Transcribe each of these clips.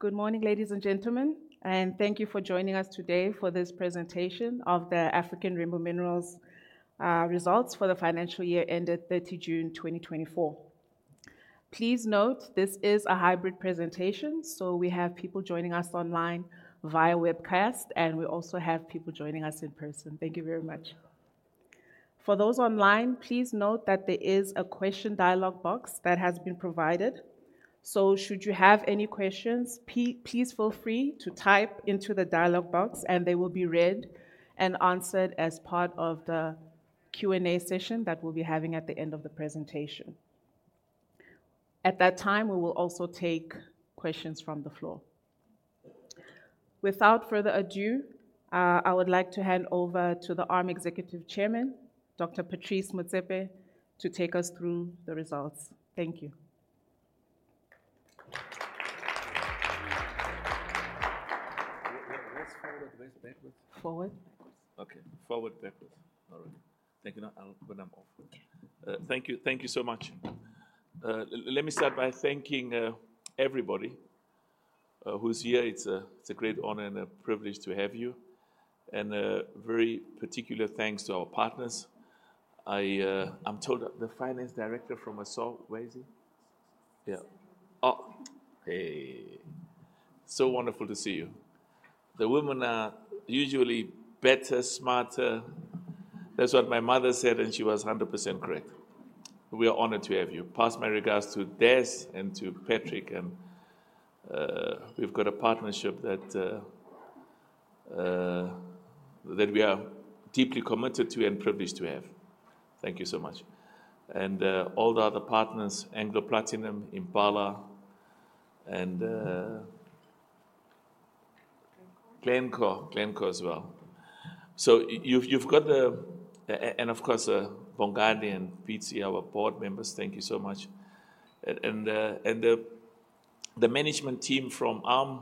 Good morning, ladies and gentlemen, and thank you for joining us today for this presentation of the African Rainbow Minerals results for the financial year ended 30 June 2024. Please note this is a hybrid presentation, so we have people joining us online via webcast, and we also have people joining us in person. Thank you very much. For those online, please note that there is a question dialogue box that has been provided. So should you have any questions, please feel free to type into the dialogue box, and they will be read and answered as part of the Q&A session that we'll be having at the end of the presentation. At that time, we will also take questions from the floor. Without further ado, I would like to hand over to the ARM Executive Chairman, Dr. Patrice Motsepe, to take us through the results. Thank you. What's forward? What's backwards? Forward. Okay. Forward, backwards. All right. Thank you. Now, I'll turn them off. Okay. Thank you. Thank you so much. Let me start by thanking everybody who's here. It's a great honor and a privilege to have you, and very particular thanks to our partners. I'm told the finance director from Assmang, where is he? Yeah. Oh, hey, so wonderful to see you. The women are usually better, smarter. That's what my mother said, and she was 100% correct. We are honored to have you. Pass my regards to Des and to Patrick and, we've got a partnership that we are deeply committed to and privileged to have. Thank you so much. And, all the other partners, Anglo Platinum, Impala, and, Glencore. Glencore. Glencore as well. So you've got the... and of course, Bongani and Piet, our board members, thank you so much. And, and the management team from ARM,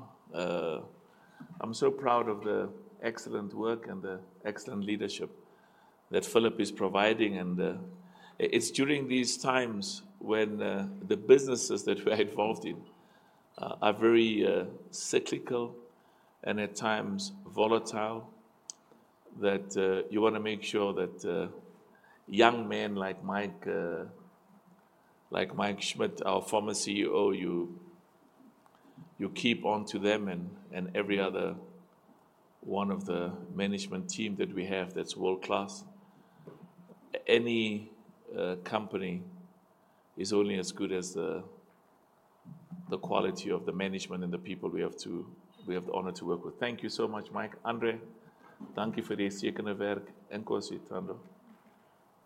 I'm so proud of the excellent work and the excellent leadership that Phillip is providing, and, it's during these times when the businesses that we're involved in are very cyclical and at times volatile, that you want to make sure that young men like Mike, like Mike Schmidt, our former CEO, you keep on to them and every other one of the management team that we have that's world-class. Any company is only as good as the quality of the management and the people we have the honor to work with. Thank you so much, Mike André,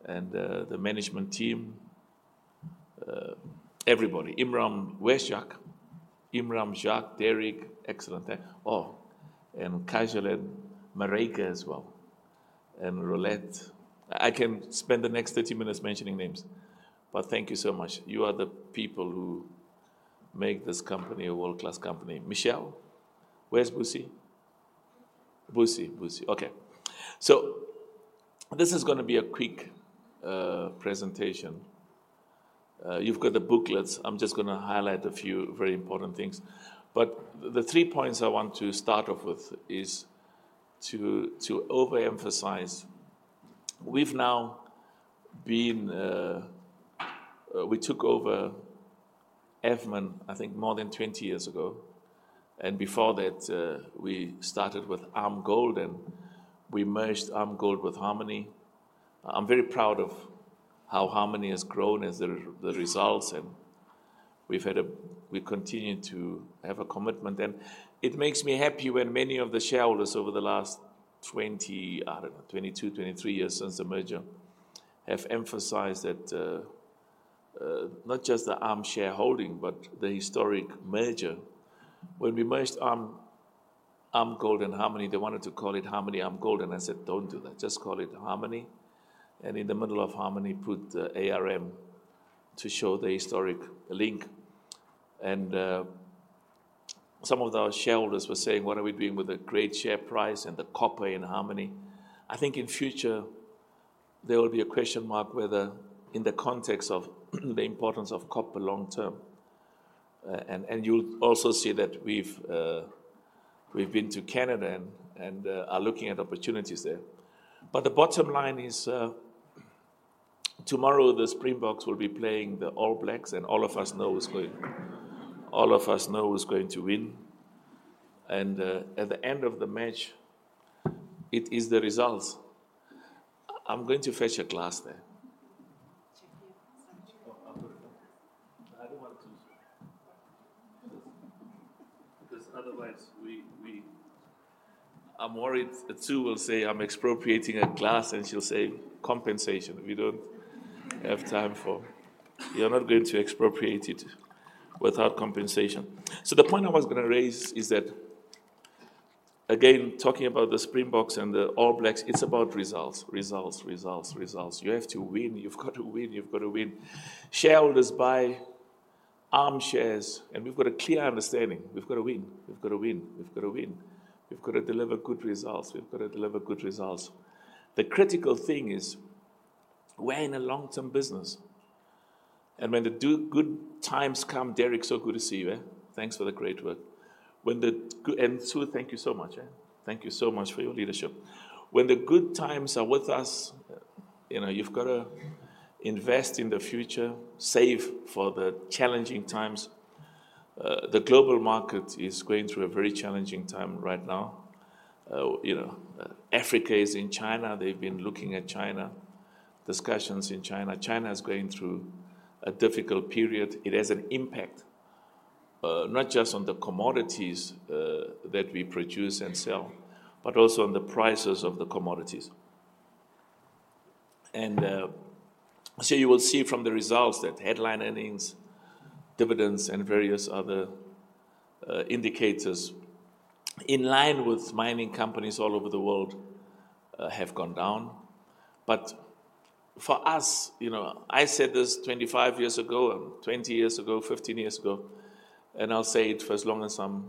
and the management team, everybody. Imran, where's Jacques? Imran, Jacques, Derek, excellent. Oh, and Kaizer and Marike as well, and Rolette. I can spend the next 30 minutes mentioning names, but thank you so much. You are the people who make this company a world-class company. Michelle, where's Busi? Busi, Busi. Okay. So this is gonna be a quick presentation. You've got the booklets. I'm just gonna highlight a few very important things, but the three points I want to start off with is to overemphasize. We've now been. We took over Evander, I think, more than 20 years ago, and before that, we started with ARM Gold, and we merged ARM Gold with Harmony. I'm very proud of how Harmony has grown as the results, and we've continued to have a commitment, and it makes me happy when many of the shareholders over the last 20, I don't know, 22, 23 years since the merger, have emphasized that, not just the ARM shareholding, but the historic merger. When we merged ARM, ARM Gold and Harmony, they wanted to call it Harmony ARM Gold, and I said, "Don't do that. Just call it Harmony, and in the middle of Harmony, put ARM to show the historic link." And some of our shareholders were saying, what are we doing with the great share price and the copper in Harmony? I think in future, there will be a question mark whether in the context of the importance of copper long term. You'll also see that we've been to Canada and are looking at opportunities there. But the bottom line is, tomorrow, the Springboks will be playing the All Blacks, and all of us know who's going to win, and at the end of the match, it is the results. I'm going to fetch a glass there. Check here. I don't want to. Because otherwise we, I'm worried Sue will say I'm expropriating a glass, and she'll say, "Compensation." We don't have time for. You're not going to expropriate it without compensation. So the point I was gonna raise is that, again, talking about the Springboks and the All Blacks, it's about results, results, results, results. You have to win. You've got to win. You've got to win. Shareholders buy ARM shares, and we've got a clear understanding. We've got to win. We've got to win. We've got to win. We've got to deliver good results. We've got to deliver good results. The critical thing is we're in a long-term business, and when the good times come, Derek, so good to see you, eh? Thanks for the great work. When the good. And Sue, thank you so much, yeah. Thank you so much for your leadership. When the good times are with us, you know, you've got to invest in the future, save for the challenging times. The global market is going through a very challenging time right now. You know, Africa is in China. They've been looking at China, discussions in China. China is going through a difficult period. It has an impact, not just on the commodities, that we produce and sell, but also on the prices of the commodities. And, so you will see from the results that headline earnings, dividends, and various other indicators in line with mining companies all over the world, have gone down. But for us, you know, I said this 25 years ago and 20 years ago, 15 years ago, and I'll say it for as long as I'm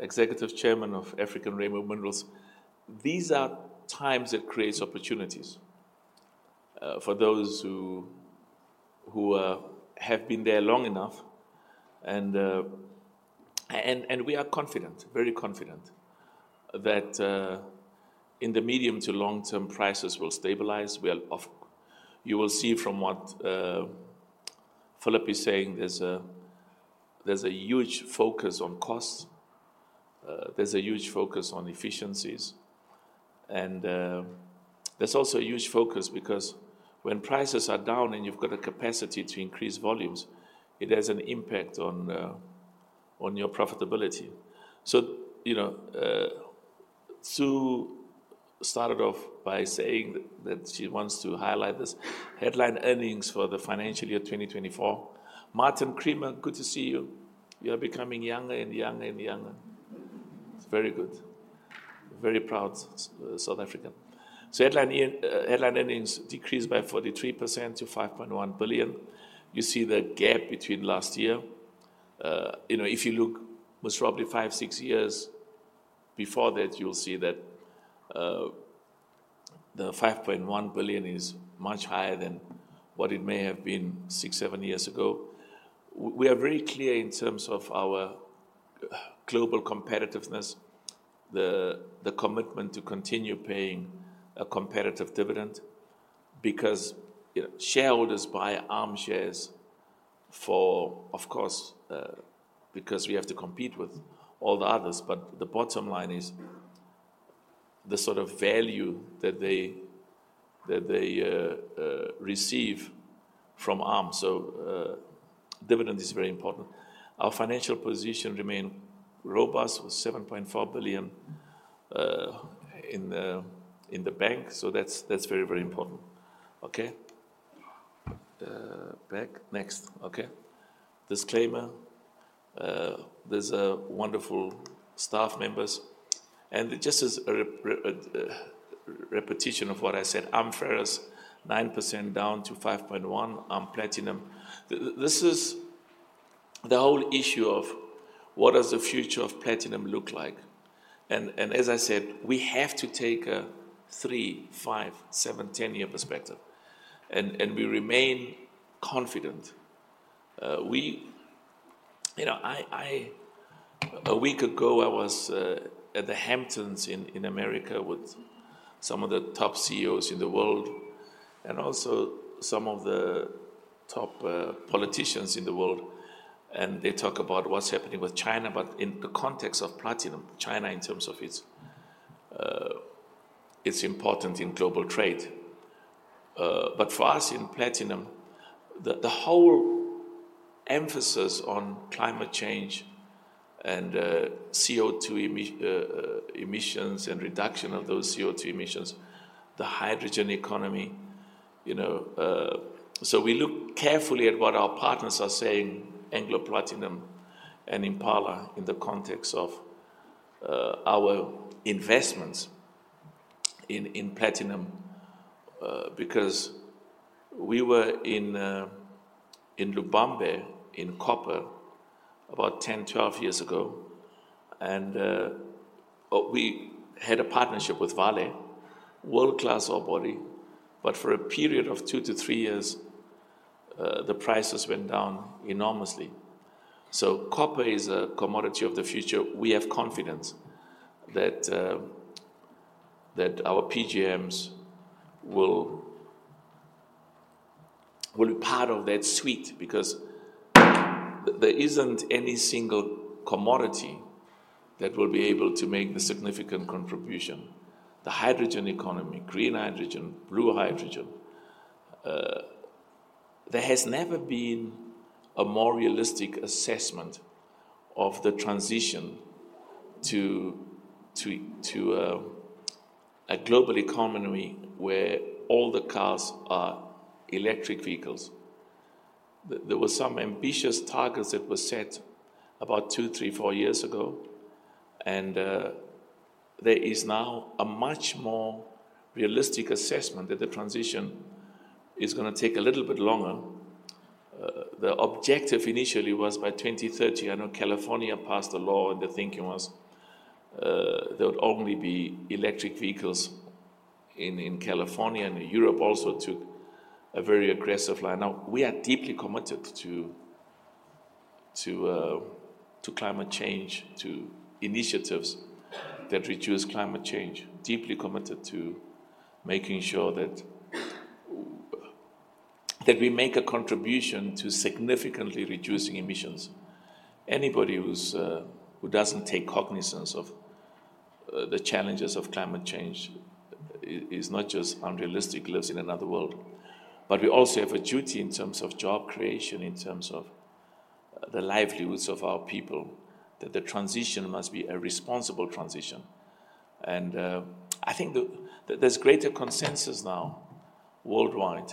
Executive Chairman of African Rainbow Minerals. These are times that creates opportunities for those who have been there long enough. And we are confident, very confident that in the medium to long-term prices will stabilize. You will see from what Phillip is saying, there's a huge focus on costs. There's a huge focus on efficiencies, and there's also a huge focus because when prices are down and you've got a capacity to increase volumes, it has an impact on your profitability. So, you know, Sue started off by saying that she wants to highlight this headline earnings for the financial year 2024. Martin Creamer, good to see you. You are becoming younger and younger and younger. It's very good. Very proud South African. So headline earnings decreased by 43% to 5.1 billion. You see the gap between last year. You know, if you look most probably 5-6 years before that, you'll see that the 5.1 billion is much higher than what it may have been 6-7 years ago. We are very clear in terms of our global competitiveness, the commitment to continue paying a competitive dividend because, you know, shareholders buy ARM shares for, of course, because we have to compete with all the others. But the bottom line is the sort of value that they receive from ARM, so dividend is very important. Our financial position remains robust with 7.4 billion in the bank, so that's very important. Okay. Back. Next. Okay. Disclaimer, there's a wonderful staff members, and just as a repetition of what I said, ARM Ferrous's 9% down to 5.1 platinum. This is the whole issue of what does the future of platinum look like? And as I said, we have to take a three, five, seven, 10-year perspective, and we remain confident. You know, a week ago, I was at the Hamptons in America with some of the top CEOs in the world and also some of the top politicians in the world, and they talk about what's happening with China, but in the context of platinum, China in terms of its importance in global trade. But for us in platinum, the whole emphasis on climate change and CO2 emissions and reduction of those CO2 emissions, the hydrogen economy, you know. So we look carefully at what our partners are saying, Anglo Platinum and Impala, in the context of our investments in platinum, because we were in Lubambe, in copper, about ten, twelve years ago, and we had a partnership with Vale, world-class ore body, but for a period of two to three years, the prices went down enormously. Copper is a commodity of the future. We have confidence that our PGMs will be part of that suite because there isn't any single commodity that will be able to make the significant contribution. The hydrogen economy, green hydrogen, blue hydrogen, there has never been a more realistic assessment of the transition to a global economy where all the cars are electric vehicles. There were some ambitious targets that were set about two, three, four years ago, and there is now a much more realistic assessment that the transition is gonna take a little bit longer. The objective initially was by 2030. I know California passed a law, and the thinking was there would only be electric vehicles in California and Europe also took a very aggressive line. Now, we are deeply committed to climate change, to initiatives that reduce climate change. Deeply committed to making sure that we make a contribution to significantly reducing emissions. Anybody who's who doesn't take cognizance of the challenges of climate change is not just unrealistic, lives in another world. But we also have a duty in terms of job creation, in terms of the livelihoods of our people, that the transition must be a responsible transition. And I think that there's greater consensus now worldwide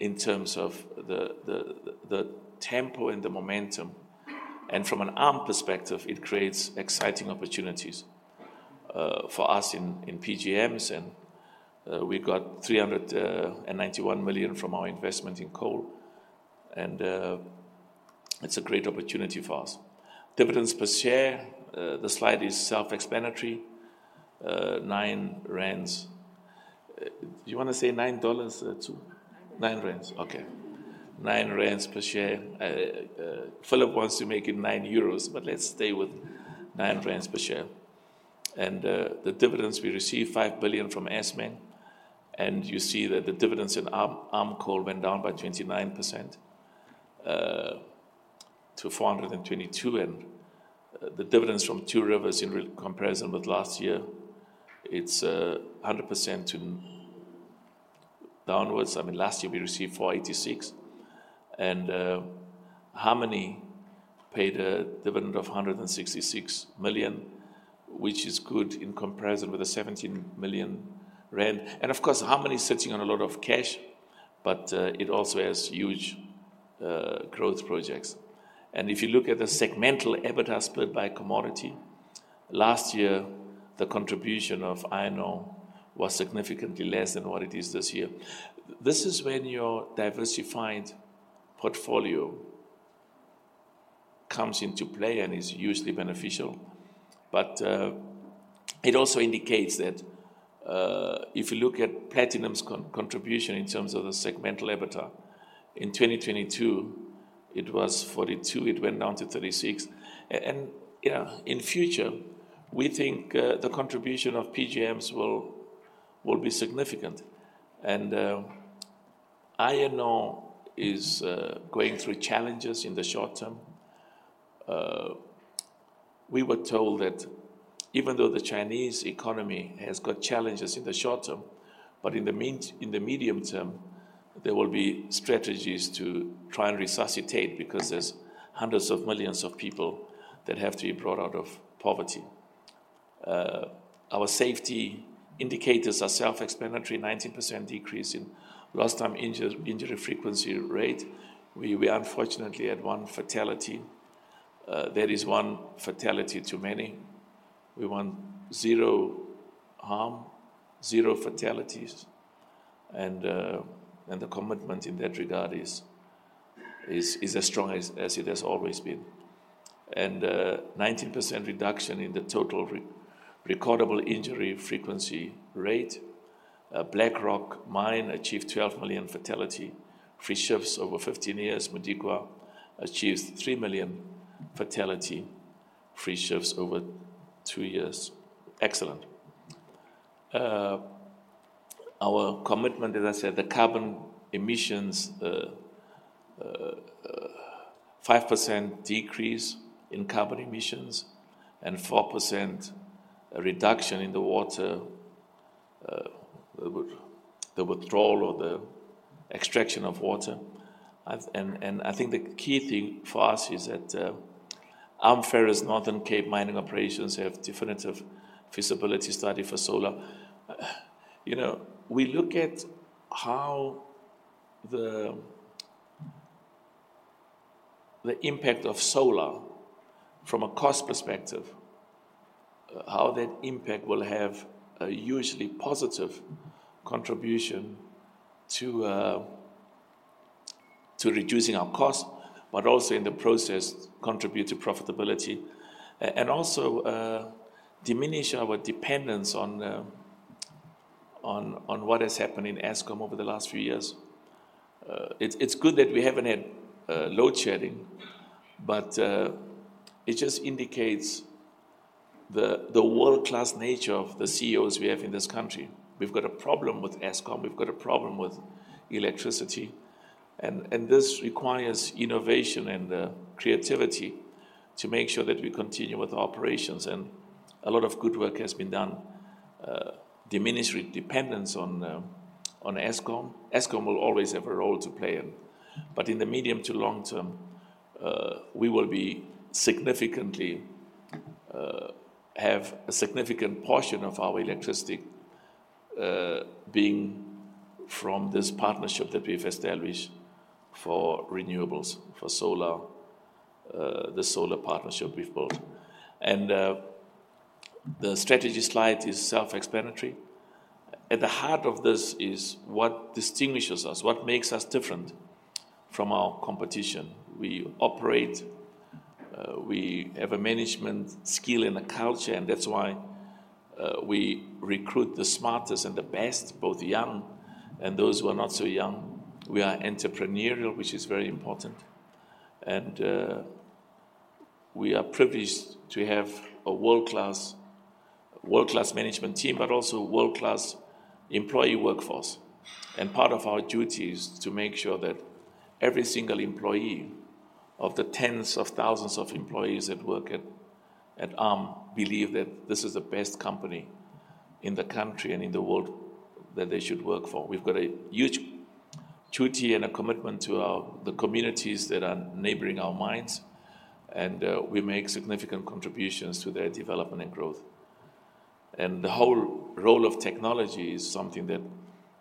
in terms of the tempo and the momentum, and from an ARM perspective, it creates exciting opportunities for us in PGMs, and we got 391 million from our investment in coal, and it's a great opportunity for us. Dividends per share, the slide is self-explanatory. 9 rand. Do you wanna say $9 too? 9 rand, okay. 9 rand per share. Phillip wants to make it 9 euros, but let's stay with 9 rand per share. The dividends we received, 5 billion from Assmang, and you see that the dividends in ARM, ARM coal went down by 29%, to 422 million, and the dividends from Two Rivers in comparison with last year, it's 100% downwards. I mean, last year we received 486 million, and Harmony paid a dividend of 166 million, which is good in comparison with the 17 million rand. Of course, Harmony is sitting on a lot of cash, but it also has huge growth projects. If you look at the segmental EBITDA split by commodity, last year the contribution of iron ore was significantly less than what it is this year. This is when your diversified portfolio comes into play and is hugely beneficial. It also indicates that if you look at platinum's contribution in terms of the segmental EBITDA, in 2022, it was 42, it went down to 36. And yeah, in future, we think the contribution of PGMs will be significant. And iron ore is going through challenges in the short term. We were told that even though the Chinese economy has got challenges in the short term, but in the medium term, there will be strategies to try and resuscitate because there's hundreds of millions of people that have to be brought out of poverty. Our safety indicators are self-explanatory, 19% decrease in lost time injury frequency rate. We unfortunately had one fatality. That is one fatality too many. We want zero harm, zero fatalities, and the commitment in that regard is as strong as it has always been. 19% reduction in the total recordable injury frequency rate. Black Rock Mine achieved 12 million fatality-free shifts over 15 years. Modikwa achieved 3 million fatality-free shifts over 2 years. Excellent. Our commitment, as I said, the carbon emissions, 5% decrease in carbon emissions and 4% reduction in the water withdrawal or the extraction of water. And I think the key thing for us is that ARM Ferrous Northern Cape mining operations have definitive feasibility study for solar. You know, we look at how the impact of solar from a cost perspective, how that impact will have a hugely positive contribution to reducing our cost, but also in the process, contribute to profitability, and also diminish our dependence on what has happened in Eskom over the last few years. It's good that we haven't had load shedding, but it just indicates the world-class nature of the CEOs we have in this country. We've got a problem with Eskom, we've got a problem with electricity, and this requires innovation and creativity to make sure that we continue with our operations, and a lot of good work has been done. Diminish dependence on Eskom. Eskom will always have a role to play in, but in the medium to long term, we will be significantly, have a significant portion of our electricity, being from this partnership that we've established for renewables, for solar, the solar partnership we've built. The strategy slide is self-explanatory. At the heart of this is what distinguishes us, what makes us different from our competition. We have a management skill and a culture, and that's why we recruit the smartest and the best, both young and those who are not so young. We are entrepreneurial, which is very important, and we are privileged to have a world-class, world-class management team, but also a world-class employee workforce. Part of our duty is to make sure that every single employee of the tens of thousands of employees that work at ARM believe that this is the best company in the country and in the world that they should work for. We've got a huge duty and a commitment to the communities that are neighboring our mines, and we make significant contributions to their development and growth. The whole role of technology is something that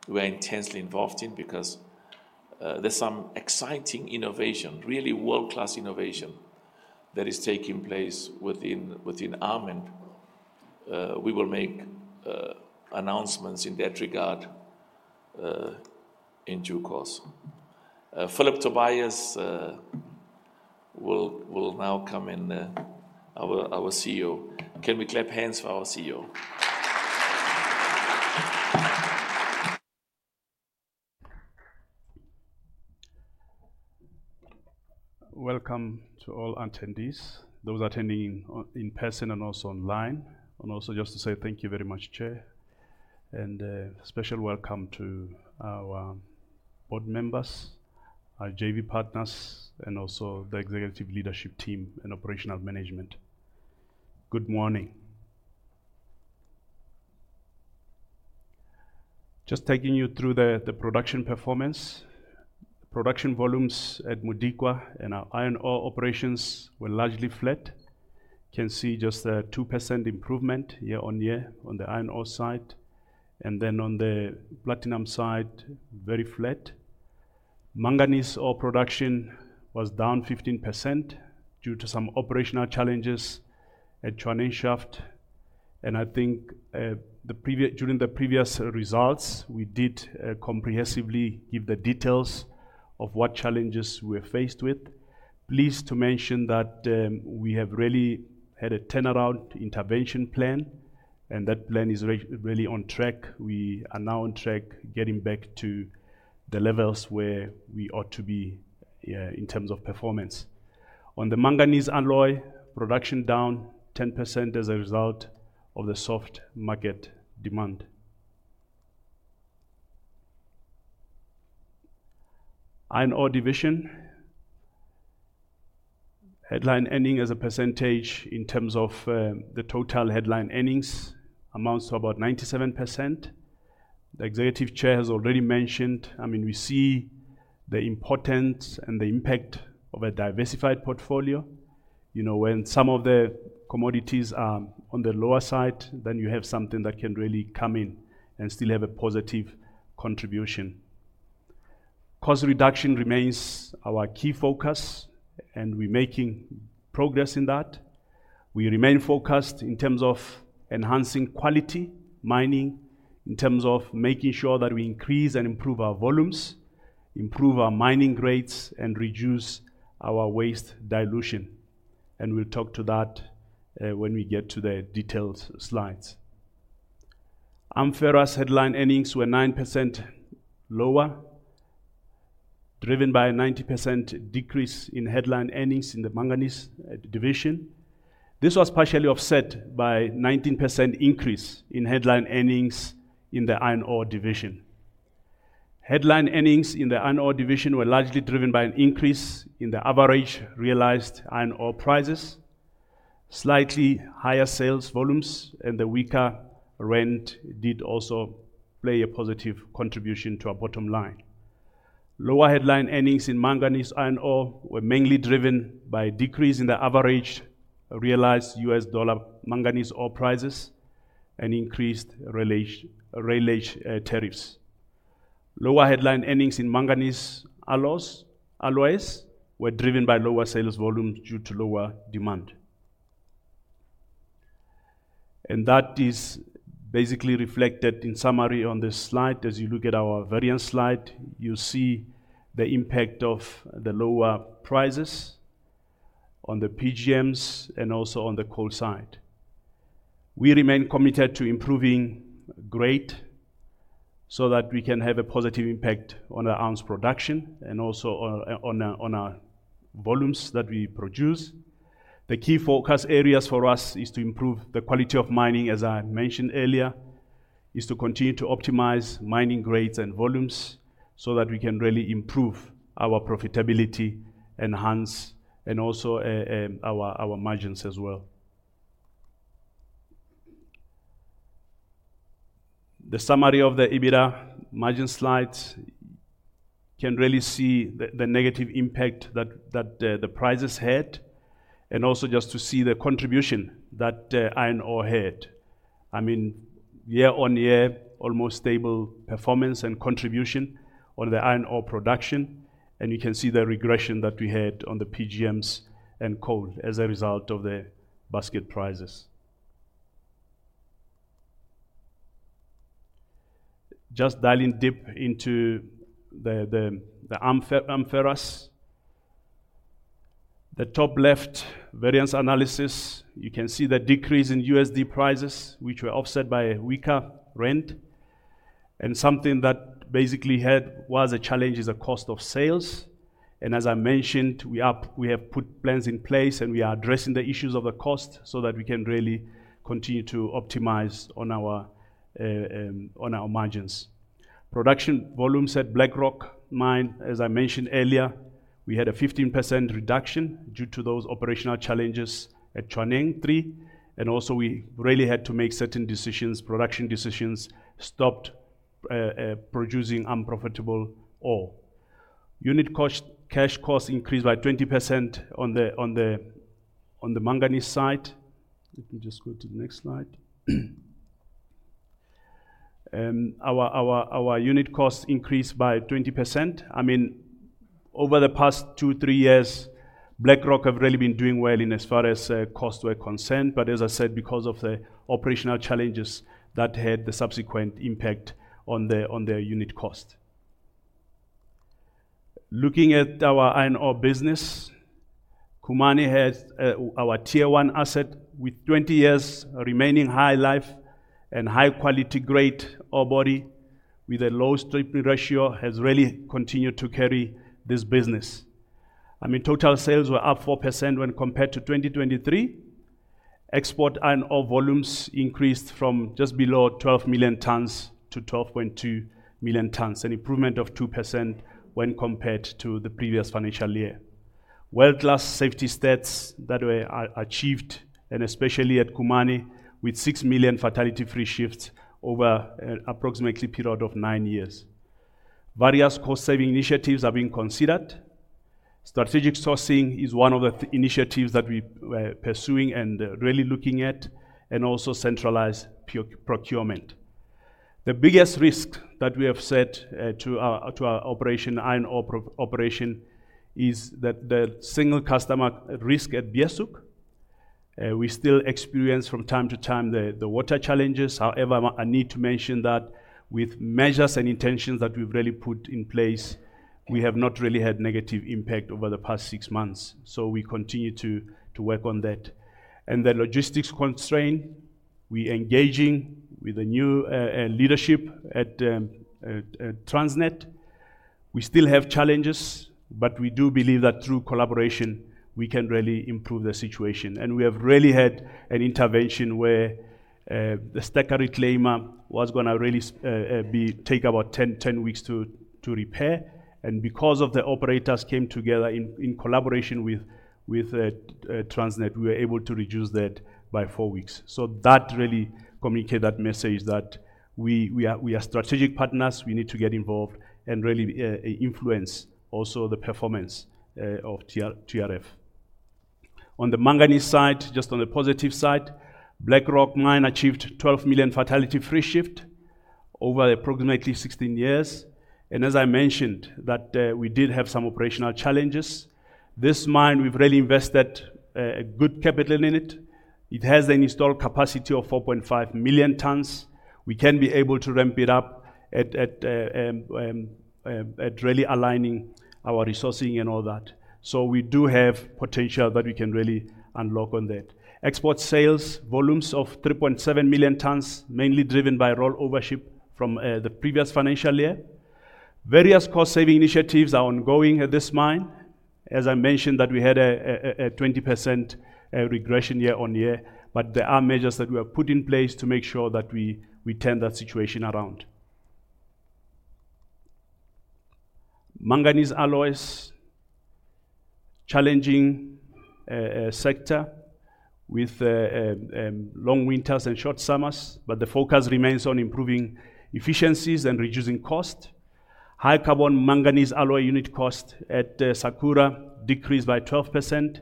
we're intensely involved in because there's some exciting innovation, really world-class innovation, that is taking place within ARM, and we will make announcements in that regard in due course. Phillip Tobias will now come in, our CEO. Can we clap hands for our CEO? Welcome to all attendees, those attending in person and also online, and also just to say thank you very much, Chair, and a special welcome to our board members, our JV partners, and also the executive leadership team and operational management. Good morning. Just taking you through the production performance. Production volumes at Modikwa and our iron ore operations were largely flat. You can see just a 2% improvement year-on-year on the iron ore side, and then on the platinum side, very flat. Manganese ore production was down 15% due to some operational challenges at Nchwaning Shaft, and I think during the previous results, we did comprehensively give the details of what challenges we're faced with. Pleased to mention that we have really had a turnaround intervention plan, and that plan is really on track. We are now on track, getting back to the levels where we ought to be, yeah, in terms of performance. On the manganese alloy, production down 10% as a result of the soft market demand. Iron ore division. Headline earnings as a percentage in terms of, the total headline earnings amounts to about 97%. The executive chair has already mentioned, I mean, we see the importance and the impact of a diversified portfolio. You know, when some of the commodities are on the lower side, then you have something that can really come in and still have a positive contribution. Cost reduction remains our key focus, and we're making progress in that. We remain focused in terms of enhancing quality mining, in terms of making sure that we increase and improve our volumes, improve our mining rates, and reduce our waste dilution, and we'll talk to that when we get to the detailed slides. Ferrous headline earnings were 9% lower, driven by a 90% decrease in headline earnings in the manganese division. This was partially offset by 19% increase in headline earnings in the iron ore division. Headline earnings in the iron ore division were largely driven by an increase in the average realized iron ore prices, slightly higher sales volumes, and the weaker rand did also play a positive contribution to our bottom line. Lower headline earnings in manganese were mainly driven by a decrease in the average realized U.S. dollar manganese ore prices and increased railage tariffs. Lower headline earnings in manganese alloys were driven by lower sales volumes due to lower demand. That is basically reflected in summary on this slide. As you look at our variance slide, you'll see the impact of the lower prices on the PGMs and also on the coal side. We remain committed to improving grade so that we can have a positive impact on the iron's production and also on our volumes that we produce. The key focus areas for us is to improve the quality of mining, as I mentioned earlier, is to continue to optimize mining grades and volumes, so that we can really improve our profitability, enhance, and also our margins as well. The summary of the EBITDA margin slide, you can really see the negative impact that the prices had, and also just to see the contribution that iron ore had. I mean, year-on-year, almost stable performance and contribution on the iron ore production, and you can see the regression that we had on the PGMs and coal as a result of the basket prices. Just dialing deep into the ferrous. The top left variance analysis, you can see the decrease in USD prices, which were offset by weaker rand. And something that basically was a challenge is the cost of sales. And as I mentioned, we have put plans in place, and we are addressing the issues of the cost so that we can really continue to optimize on our margins. Production volumes at Black Rock Mine, as I mentioned earlier, we had a 15% reduction due to those operational challenges at Nchwaning III, and also we really had to make certain decisions, production decisions, stopped producing unprofitable ore. Unit cost cash costs increased by 20% on the manganese side. Let me just go to the next slide. Our unit costs increased by 20%. I mean, over the past two, three years, Black Rock have really been doing well in as far as costs were concerned, but as I said, because of the operational challenges, that had the subsequent impact on the unit cost. Looking at our iron ore business, Khumani has our Tier One asset, with 20 years remaining mine life and high-quality high-grade ore body, with a low stripping ratio, has really continued to carry this business. I mean, total sales were up 4% when compared to 2023. Export iron ore volumes increased from just below 12 million tonnes to 12.2 million tonnes, an improvement of 2% when compared to the previous financial year. World-class safety stats that were achieved, and especially at Khumani, with 6 million fatality-free shifts over approximately a period of nine years. Various cost-saving initiatives are being considered. Strategic sourcing is one of the initiatives that we were pursuing and really looking at, and also centralized procurement. The biggest risk that we have set to our operation, iron ore operation, is that the single customer risk at Beeshoek. We still experience from time to time the water challenges. However, I need to mention that with measures and intentions that we've really put in place, we have not really had negative impact over the past six months, so we continue to work on that. And the logistics constraint, we engaging with the new leadership at Transnet. We still have challenges, but we do believe that through collaboration, we can really improve the situation. We have really had an intervention where the stacker reclaimer was gonna really take about 10 weeks to repair, and because the operators came together in collaboration with Transnet, we were able to reduce that by 4 weeks. That really communicates that message that we are strategic partners. We need to get involved and really influence also the performance of TRF. On the manganese side, just on the positive side, Black Rock Mine achieved 12 million fatality-free shifts over approximately 16 years, and as I mentioned, we did have some operational challenges. This mine, we've really invested a good capital in it. It has an installed capacity of 4.5 million tonnes. We can be able to ramp it up at really aligning our resourcing and all that. So we do have potential that we can really unlock on that. Export sales volumes of 3.7 million tonnes, mainly driven by rollover shipment from the previous financial year. Various cost-saving initiatives are ongoing at this mine. As I mentioned, that we had a 20% regression year on year, but there are measures that we have put in place to make sure that we turn that situation around. Manganese alloys, challenging sector with long winters and short summers, but the focus remains on improving efficiencies and reducing cost. High-carbon manganese alloy unit cost at Sakura decreased by 12%,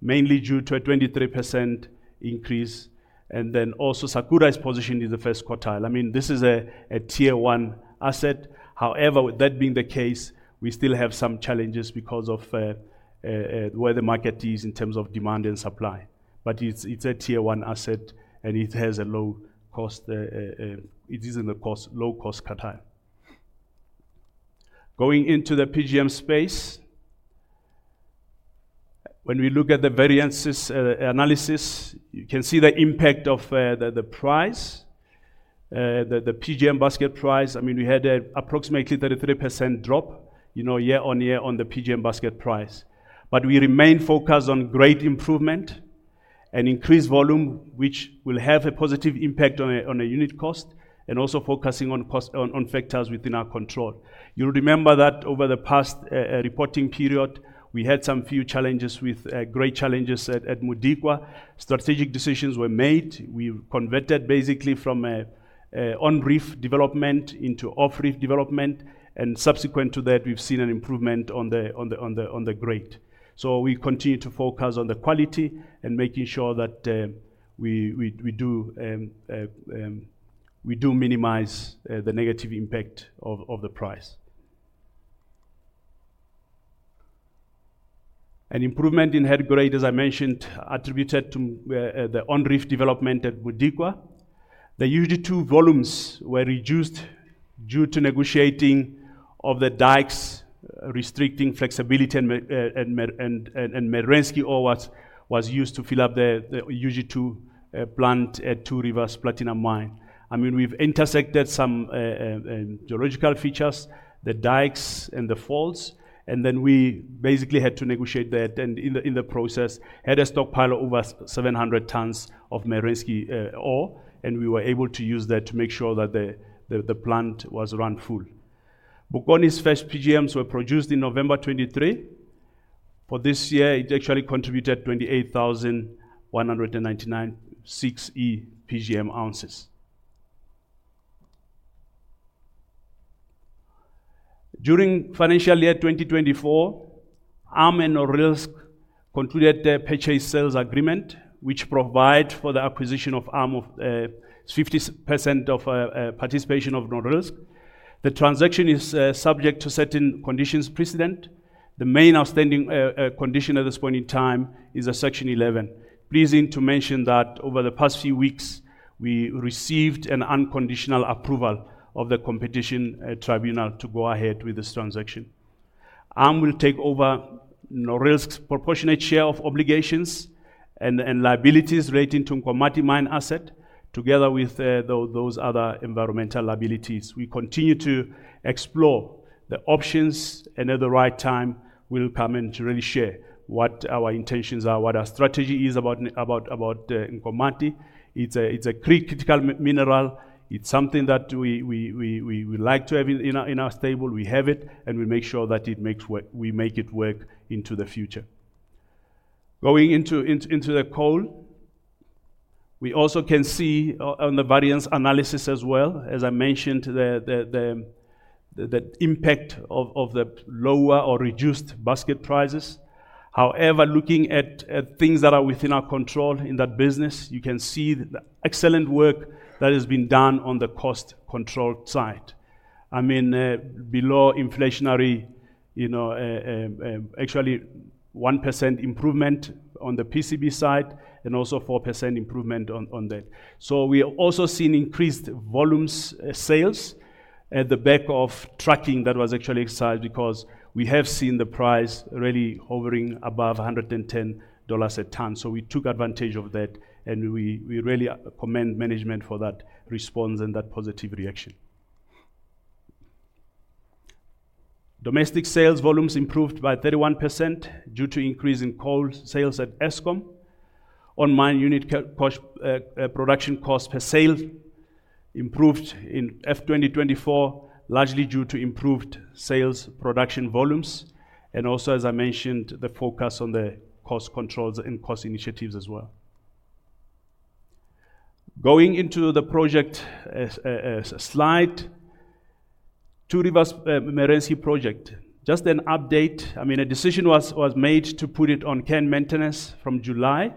mainly due to a 23% increase. And then also, Sakura is positioned in the first quartile. I mean, this is a Tier One asset. However, with that being the case, we still have some challenges because of where the market is in terms of demand and supply. But it's a Tier One asset, and it has a low cost. It is in the low-cost quartile. Going into the PGM space, when we look at the variance analysis, you can see the impact of the price, the PGM basket price. I mean, we had approximately 33% drop, you know, year on year on the PGM basket price. But we remain focused on great improvement and increased volume, which will have a positive impact on a unit cost, and also focusing on cost, on factors within our control. You'll remember that over the past reporting period, we had some few challenges with great challenges at Modikwa. Strategic decisions were made. We've converted basically from a on-reef development into off-reef development, and subsequent to that, we've seen an improvement on the grade. So we continue to focus on the quality and making sure that we do minimize the negative impact of the price. An improvement in head grade, as I mentioned, attributed to the on-reef development at Bokoni. The UG2 volumes were reduced due to negotiating of the dikes, restricting flexibility and Merensky ore was used to fill up the UG2 plant at Two Rivers Platinum Mine. I mean, we've intersected some geological features, the dikes and the faults, and then we basically had to negotiate that, and in the process, had a stockpile of over 700 tons of Merensky ore, and we were able to use that to make sure that the plant was run full. Bokoni's first PGMs were produced in November 2023. For this year, it actually contributed 28,199 6E PGM ounces. During financial year 2024, ARM and Norilsk concluded their purchase sales agreement, which provide for the acquisition of ARM of 50% of participation of Norilsk. The transaction is subject to certain conditions precedent. The main outstanding condition at this point in time is a Section 11. Pleased to mention that over the past few weeks, we received an unconditional approval of the Competition Tribunal to go ahead with this transaction. ARM will take over Norilsk's proportionate share of obligations and liabilities relating to Nkomati Mine asset, together with those other environmental liabilities. We continue to explore the options, and at the right time, we'll come in to really share what our intentions are, what our strategy is about Nkomati. It's a critical mineral. It's something that we like to have in our stable. We have it, and we make sure that we make it work into the future. Going into the coal, we also can see on the variance analysis as well, as I mentioned, the impact of the lower or reduced basket prices. However, looking at things that are within our control in that business, you can see the excellent work that has been done on the cost control side. I mean, below inflationary, you know, actually 1% improvement on the PCB side and also 4% improvement on that. So we have also seen increased volumes, sales at the back of trucking that was actually excited because we have seen the price really hovering above $110 a ton. So we took advantage of that, and we really commend management for that response and that positive reaction. Domestic sales volumes improved by 31% due to increase in coal sales at Eskom. On mine, unit co- cost, production cost per sale improved in F2024, largely due to improved sales production volumes, and also, as I mentioned, the focus on the cost controls and cost initiatives as well. Going into the project, slide, Two Rivers, Merensky project. Just an update, I mean, a decision was made to put it on care and maintenance from July.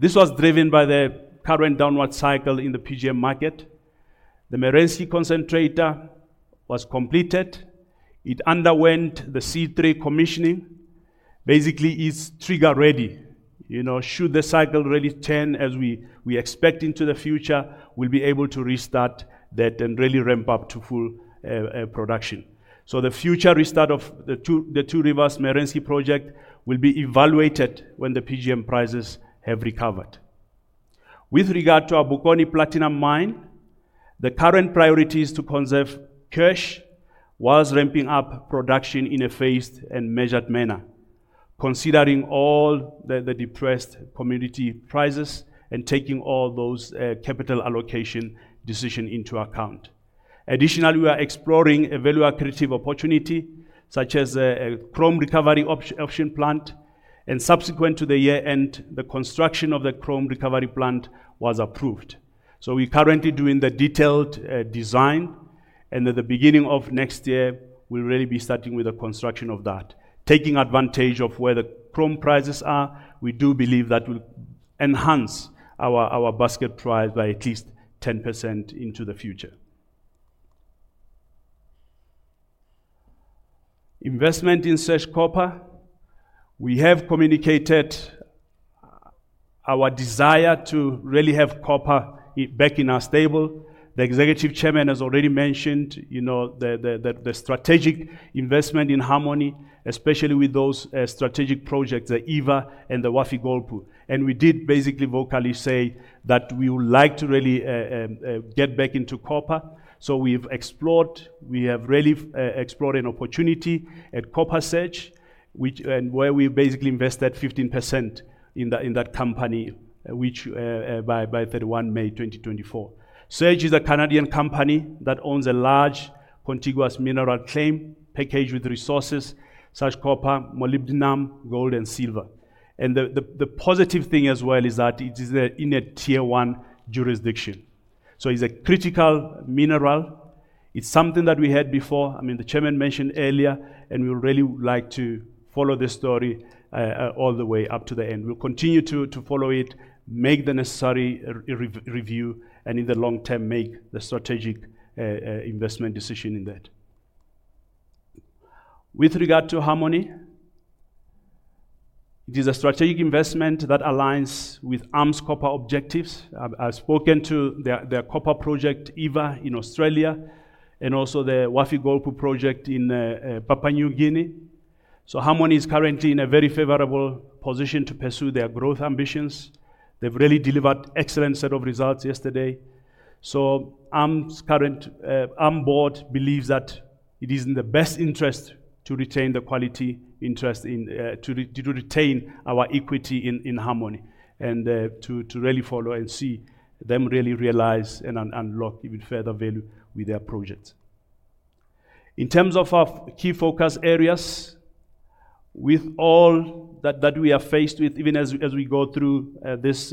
This was driven by the current downward cycle in the PGM market. The Merensky concentrator was completed. It underwent the C3 commissioning. Basically, it's trigger-ready. You know, should the cycle really turn as we expect into the future, we'll be able to restart that and really ramp up to full production. So the future restart of the Two Rivers Merensky project will be evaluated when the PGM prices have recovered. With regard to our Bokoni Platinum Mine, the current priority is to conserve cash while ramping up production in a phased and measured manner, considering all the depressed commodity prices and taking all those capital allocation decision into account. Additionally, we are exploring a value accretive opportunity, such as a chrome recovery option plant, and subsequent to the year-end, the construction of the chrome recovery plant was approved. So we're currently doing the detailed design, and at the beginning of next year, we'll really be starting with the construction of that. Taking advantage of where the chrome prices are, we do believe that will enhance our basket price by at least 10% into the future. Investment in Surge Copper, we have communicated our desire to really have copper back in our stable. The Executive Chairman has already mentioned, you know, the strategic investment in Harmony, especially with those strategic projects, the Eva and the Wafi-Golpu. We did basically vocally say that we would like to really get back into copper. We've really explored an opportunity at Surge Copper, which and where we basically invested 15% in that company, which by 31 May 2024. Surge is a Canadian company that owns a large contiguous mineral claim package with resources such as copper, molybdenum, gold, and silver. The positive thing as well is that it is in a tier one jurisdiction. It's a critical mineral. It's something that we had before, I mean, the chairman mentioned earlier, and we would really like to follow this story all the way up to the end. We'll continue to follow it, make the necessary review, and in the long term, make the strategic investment decision in that. With regard to Harmony, it is a strategic investment that aligns with ARM's copper objectives. I've spoken to their copper project, Eva, in Australia, and also the Wafi-Golpu project in Papua New Guinea. So Harmony is currently in a very favorable position to pursue their growth ambitions. They've really delivered excellent set of results yesterday. ARM's current ARM board believes that it is in the best interest to retain the equity interest in, to retain our equity in Harmony, and to really follow and see them really realize and unlock even further value with their projects. In terms of our key focus areas, with all that we are faced with, even as we go through this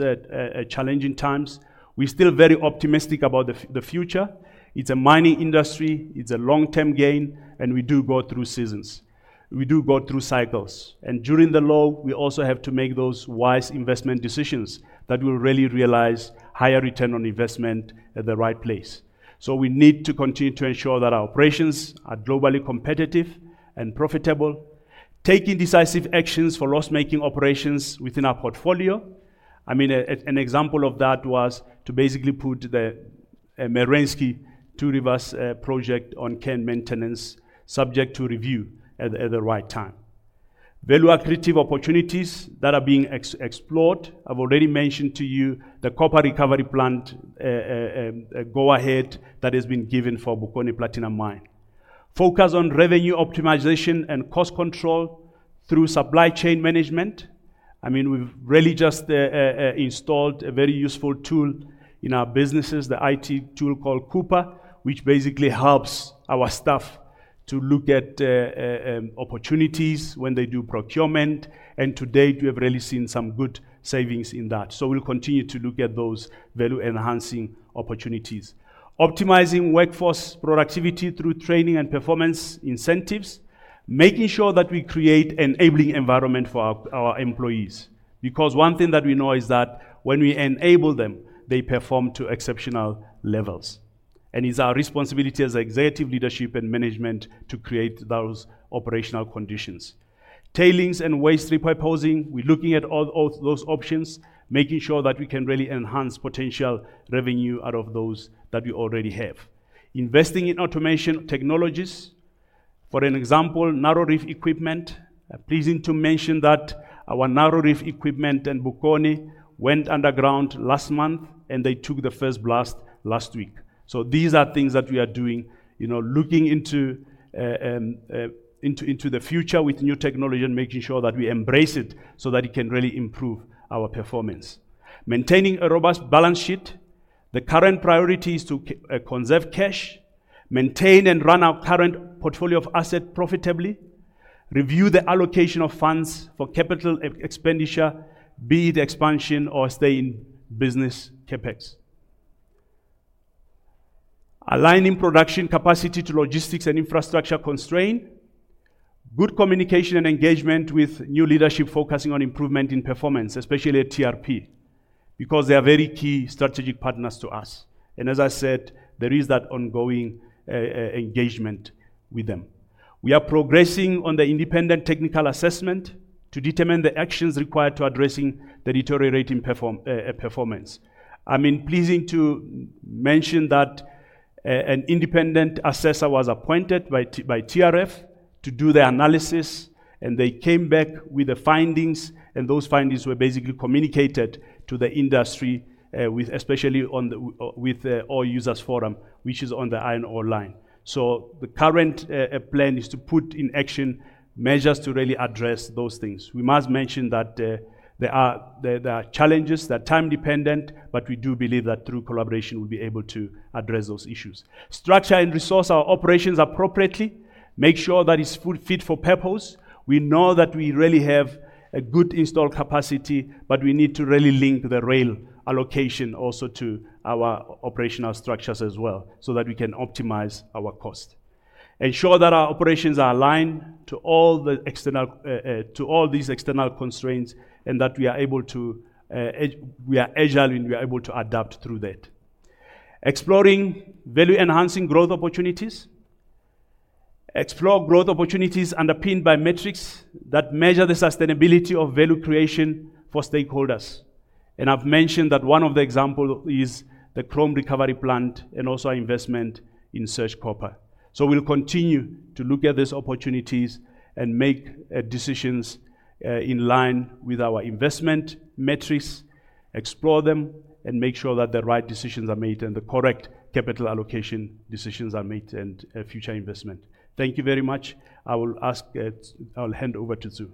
challenging times, we're still very optimistic about the future. It's a mining industry, it's a long-term game, and we do go through seasons. We do go through cycles, and during the low, we also have to make those wise investment decisions that will really realize higher return on investment at the right place. We need to continue to ensure that our operations are globally competitive and profitable, taking decisive actions for loss-making operations within our portfolio. I mean, an example of that was to basically put the Merensky Reef project on care and maintenance, subject to review at the right time. Value accretive opportunities that are being explored. I've already mentioned to you the chrome recovery plant go-ahead that has been given for Bokoni Platinum Mine. Focus on revenue optimization and cost control through supply chain management. I mean, we've really just installed a very useful tool in our businesses, the IT tool called Coupa, which basically helps our staff to look at opportunities when they do procurement, and to date, we have really seen some good savings in that. So we'll continue to look at those value-enhancing opportunities. Optimizing workforce productivity through training and performance incentives, making sure that we create enabling environment for our, our employees, because one thing that we know is that when we enable them, they perform to exceptional levels, and it's our responsibility as executive leadership and management to create those operational conditions. Tailings and waste repurposing, we're looking at all, all those options, making sure that we can really enhance potential revenue out of those that we already have. Investing in automation technologies. For an example, narrow reef equipment. Pleased to mention that our narrow reef equipment in Bokoni went underground last month, and they took the first blast last week. So these are things that we are doing, you know, looking into the future with new technology and making sure that we embrace it so that it can really improve our performance. Maintaining a robust balance sheet. The current priority is to conserve cash, maintain and run our current portfolio of asset profitably, review the allocation of funds for capital expenditure, be it expansion or stay in business CapEx. Aligning production capacity to logistics and infrastructure constraint. Good communication and engagement with new leadership, focusing on improvement in performance, especially at TRP, because they are very key strategic partners to us. And as I said, there is that ongoing engagement with them. We are progressing on the independent technical assessment to determine the actions required to addressing the deteriorating performance. I mean, pleasing to mention that an independent assessor was appointed by TRF to do the analysis, and they came back with the findings, and those findings were basically communicated to the industry, with especially on the Rail Users Forum, which is on the iron ore line. So the current plan is to put in action measures to really address those things. We must mention that there are challenges that are time-dependent, but we do believe that through collaboration, we'll be able to address those issues. Structure and resource our operations appropriately, make sure that it's full fit for purpose. We know that we really have a good installed capacity, but we need to really link the rail allocation also to our operational structures as well, so that we can optimize our cost. Ensure that our operations are aligned to all the external, to all these external constraints, and that we are able to. We are agile, and we are able to adapt through that. Exploring value-enhancing growth opportunities. Explore growth opportunities underpinned by metrics that measure the sustainability of value creation for stakeholders. And I've mentioned that one of the example is the chrome recovery plant and also our investment in Surge Copper. So we'll continue to look at these opportunities and make, decisions, in line with our investment metrics, explore them, and make sure that the right decisions are made and the correct capital allocation decisions are made and, future investment. Thank you very much. I will ask, I'll hand over to Sue.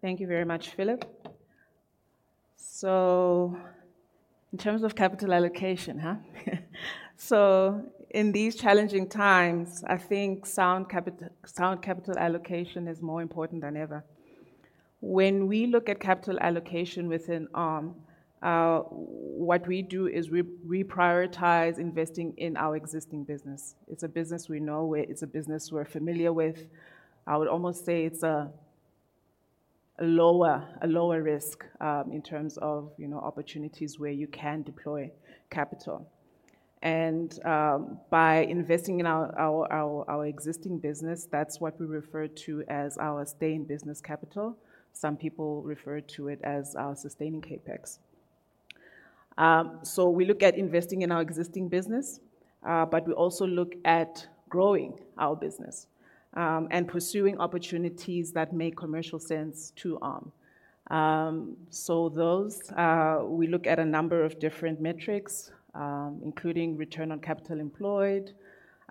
Thank you very much, Phillip. So in terms of capital allocation. So in these challenging times, I think sound capital allocation is more important than ever. When we look at capital allocation within ARM, what we do is we prioritize investing in our existing business. It's a business we know, where it's a business we're familiar with. I would almost say it's a lower risk in terms of, you know, opportunities where you can deploy capital. And by investing in our existing business, that's what we refer to as our stay-in-business capital. Some people refer to it as our sustaining CapEx. So we look at investing in our existing business, but we also look at growing our business and pursuing opportunities that make commercial sense to ARM. So those we look at a number of different metrics, including return on capital employed,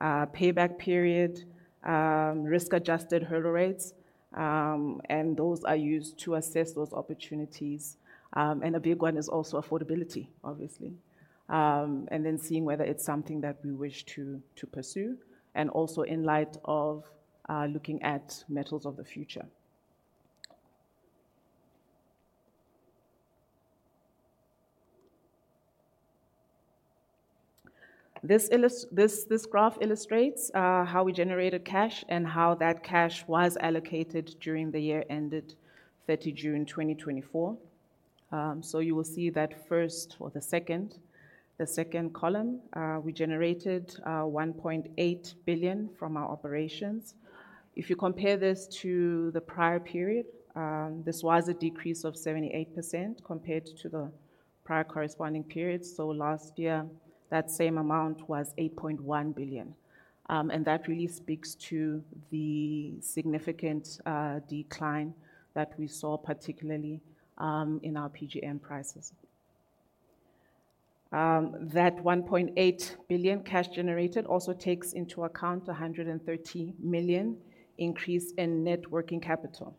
payback period, risk-adjusted hurdle rates, and those are used to assess those opportunities. And a big one is also affordability, obviously. And then seeing whether it's something that we wish to pursue, and also in light of looking at metals of the future. This graph illustrates how we generated cash and how that cash was allocated during the year ended 30 June 2024. So you will see that the second column, we generated 1.8 billion from our operations. If you compare this to the prior period, this was a decrease of 78% compared to the prior corresponding period. So last year, that same amount was 8.1 billion. And that really speaks to the significant decline that we saw, particularly, in our PGM prices. That 1.8 billion cash generated also takes into account a 130 million increase in net working capital.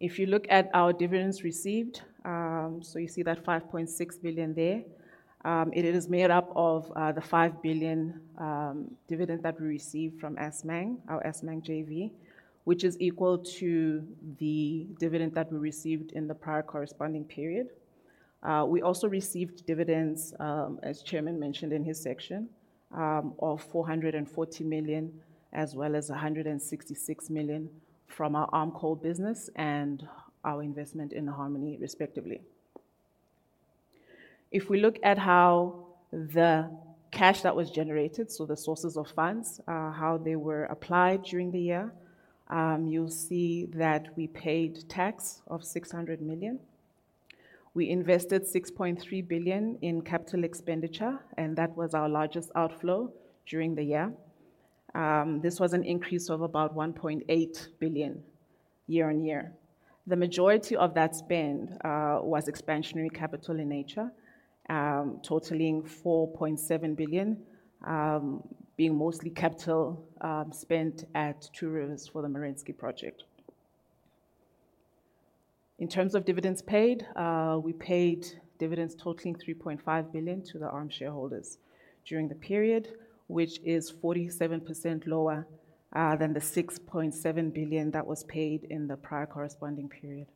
If you look at our dividends received, so you see that 5.6 billion there, it is made up of the 5 billion dividend that we received from Assmang, our Assmang JV, which is equal to the dividend that we received in the prior corresponding period. We also received dividends, as chairman mentioned in his section, of 440 million, as well as 166 million from our ARMCoal business and our investment in Harmony, respectively. If we look at how the cash that was generated, so the sources of funds, how they were applied during the year, you'll see that we paid tax of 600 million. We invested 6.3 billion in capital expenditure, and that was our largest outflow during the year. This was an increase of about 1.8 billion year on year. The majority of that spend was expansionary capital in nature, totaling 4.7 billion, being mostly capital spent at Two Rivers for the Merensky project. In terms of dividends paid, we paid dividends totaling 3.5 billion to the ARM shareholders during the period, which is 47% lower than the 6.7 billion that was paid in the prior corresponding period.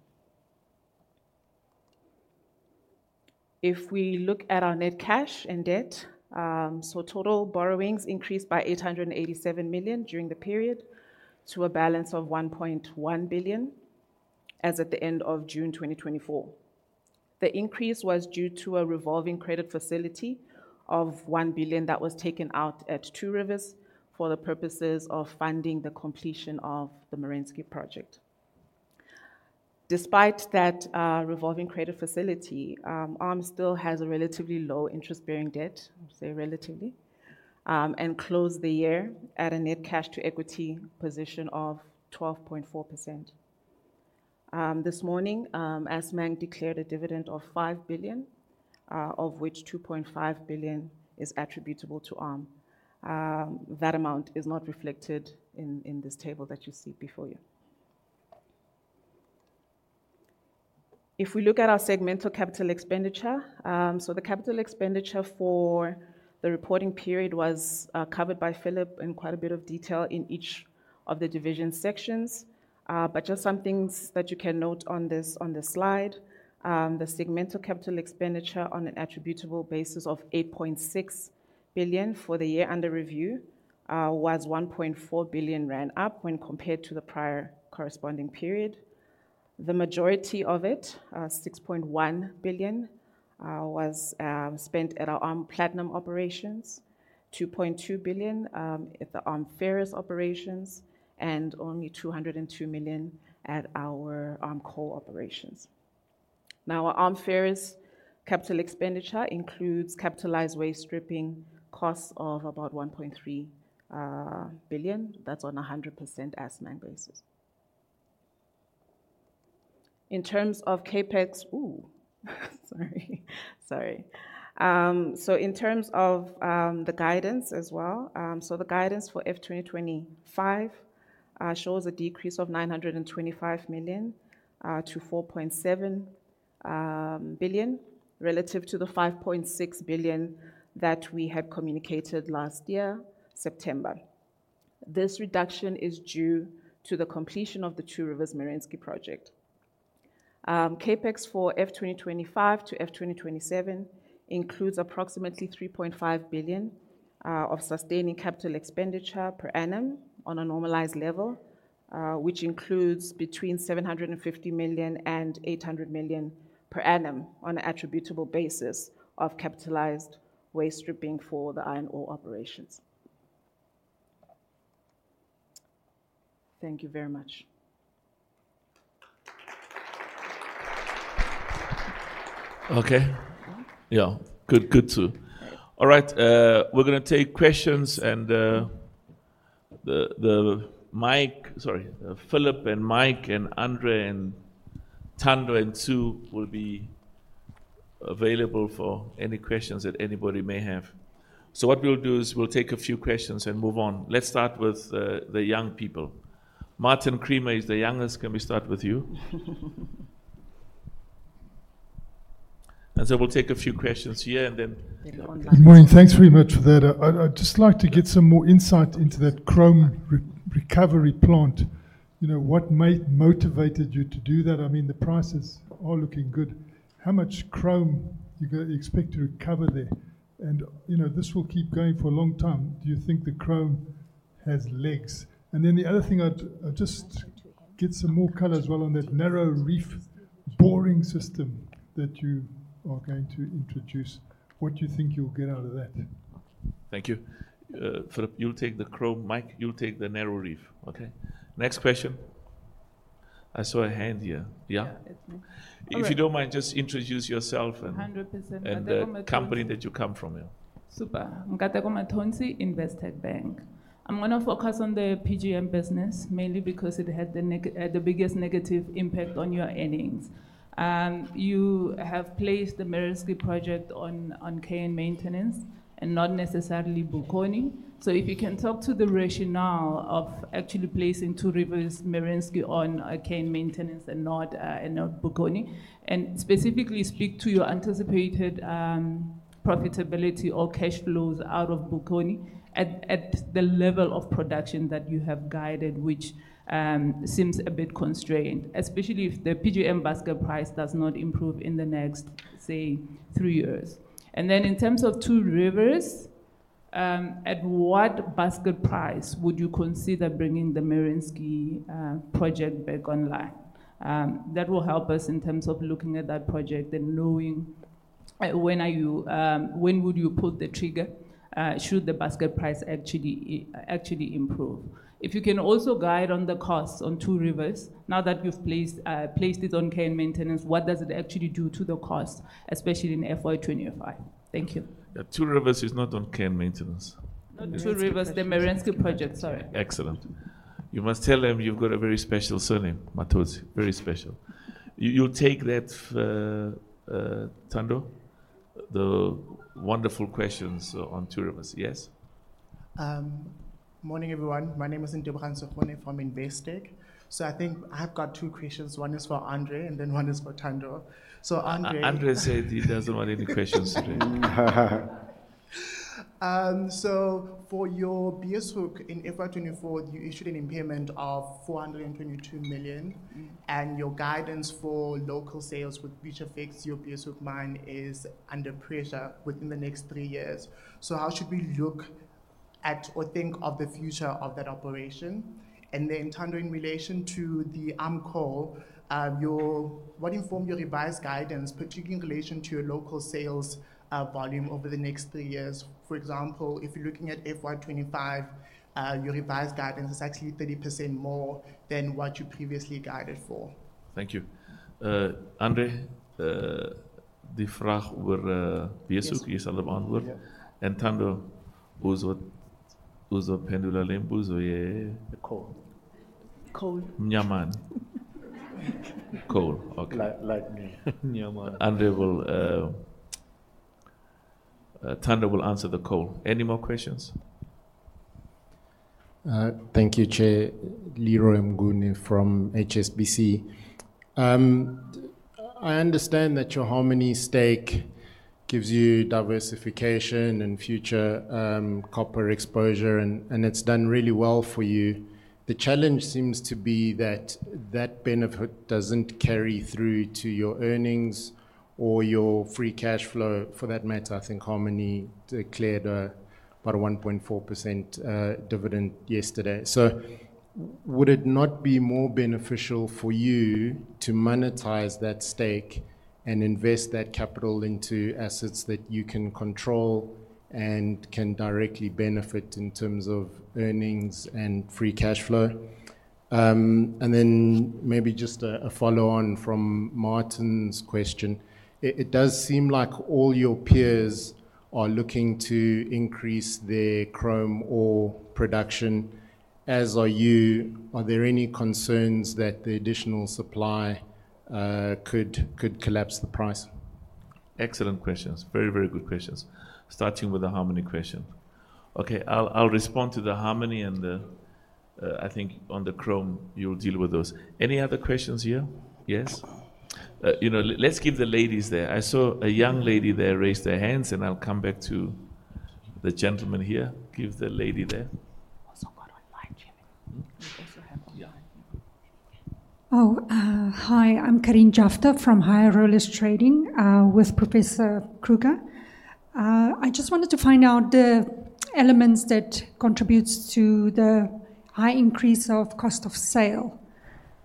If we look at our net cash and debt, so total borrowings increased by 887 million during the period, to a balance of 1.1 billion, as at the end of June 2024. The increase was due to a revolving credit facility of 1 billion that was taken out at Two Rivers for the purposes of funding the completion of the Merensky project. Despite that, revolving credit facility, ARM still has a relatively low interest-bearing debt, I would say relatively, and closed the year at a net cash to equity position of 12.4%. This morning, Assmang declared a dividend of 5 billion, of which 2.5 billion is attributable to ARM. That amount is not reflected in this table that you see before you. If we look at our segmental capital expenditure, so the capital expenditure for the reporting period was covered by Phillip in quite a bit of detail in each of the division sections. But just some things that you can note on this slide, the segmental capital expenditure on an attributable basis of 8.6 billion for the year under review was 1.4 billion up when compared to the prior corresponding period. The majority of it, 6.1 billion, was spent at our ARM Platinum operations, 2.2 billion at the ARM Ferrous operations, and only 202 million at our ARMCoal operations. Now, our ARM Ferrous capital expenditure includes capitalized waste stripping costs of about 1.3 billion. That's on a 100% Assmang basis. In terms of CapEx... So in terms of the guidance as well, the guidance for FY 2025 shows a decrease of 925 million to 4.7 billion, relative to the 5.6 billion that we had communicated last year, September. This reduction is due to the completion of the Two Rivers Merensky project. CapEx for FY 2025 to FY 2027 includes approximately 3.5 billion of sustaining capital expenditure per annum on a normalized level, which includes between 750 million and 800 million per annum on an attributable basis of capitalized waste stripping for the iron ore operations. Thank you very much. Okay. Yeah? Yeah. Good, good, Sue. All right, we're going to take questions, and, the, the-- Mike-- Sorry, Phillip, and Mike, and André, and Thando, and Sue will be available for any questions that anybody may have. So what we'll do is we'll take a few questions and move on. Let's start with, the young people. Martin Creamer is the youngest. Can we start with you? And so we'll take a few questions here, and then- Then go online. Good morning. Thanks very much for that. I'd just like to get some more insight into that chrome re-recovery plant. You know, what motivated you to do that? I mean, the prices are looking good. How much chrome you expect to recover there? And, you know, this will keep going for a long time. Do you think the chrome has legs? And then the other thing, I'd just get some more color as well on that narrow reef boring system that you are going to introduce. What do you think you'll get out of that? Thank you. Phillip, you'll take the chrome. Mike, you'll take the narrow reef, okay? Next question. I saw a hand here. Yeah. Yeah, it's me. If you don't mind, just introduce yourself and- 100%. Nkateko Mathonsi- And the company that you come from, yeah. Super. Nkateko Mathonsi, Investec. I'm going to focus on the PGM business, mainly because it had the biggest negative impact on your earnings. You have placed the Merensky project on care and maintenance, and not necessarily Bokoni. So if you can talk to the rationale of actually placing Two Rivers Merensky on care and maintenance and not Bokoni. And specifically speak to your anticipated profitability or cash flows out of Bokoni at the level of production that you have guided, which seems a bit constrained, especially if the PGM basket price does not improve in the next, say, three years. And then in terms of Two Rivers, at what basket price would you consider bringing the Merensky project back online? That will help us in terms of looking at that project and knowing when would you pull the trigger should the basket price actually improve? If you can also guide on the costs on Two Rivers, now that you've placed it on care and maintenance, what does it actually do to the cost, especially in FY 2025? Thank you. Yeah, Two Rivers is not on care and maintenance. Not Two Rivers- It's- The Merensky project, sorry. Excellent. You must tell them you've got a very special surname, Mathonsi. Very special. You, you'll take that, Thando, the wonderful questions on Two Rivers. Yes? Morning, everyone. My name is Ntombo Hlansekhune from Investec. So I think I have got two questions. One is for André, and then one is for Thando. So André- André said he doesn't want any questions today. For your Beeshoek in FY 2024, you issued an impairment of 422 million, and your guidance for local sales, which affects your Beeshoek mine, is under pressure within the next three years. How should we look at or think of the future of that operation? Thando, in relation to the ARM Coal, what informed your revised guidance, particularly in relation to your local sales volume over the next three years? For example, if you're looking at FY 2025, your revised guidance is actually 30% more than what you previously guided for. Thank you. André, the frag were Beeshoek, you said the word. Yeah. Thando, who's what? Who's the pendulum buzz or yeah- The coal. Coal. Myamani. Coal. Okay. Like, like me. Myamani. André will, Thando will answer the coal. Any more questions? Thank you, Chair. Leroy Mnguni from HSBC. I understand that your Harmony stake gives you diversification and future copper exposure, and it's done really well for you. The challenge seems to be that that benefit doesn't carry through to your earnings or your free cash flow. For that matter, I think Harmony declared about a 1.4% dividend yesterday. So would it not be more beneficial for you to monetize that stake and invest that capital into assets that you can control and can directly benefit in terms of earnings and free cash flow? And then maybe just a follow-on from Martin's question. It does seem like all your peers are looking to increase their chrome ore production, as are you. Are there any concerns that the additional supply could collapse the price? Excellent questions. Very, very good questions. Starting with the Harmony question. Okay, I'll respond to the Harmony and the, I think on the chrome, you'll deal with those. Any other questions here? Yes. You know, let's give the ladies there. I saw a young lady there raise their hands, and I'll come back to the gentleman here. Give the lady there. ... We also have one. Yeah. Hi, I'm Karin Jafta from Hyrisk Trading, with Professor Kruger. I just wanted to find out the elements that contributes to the high increase of cost of sale.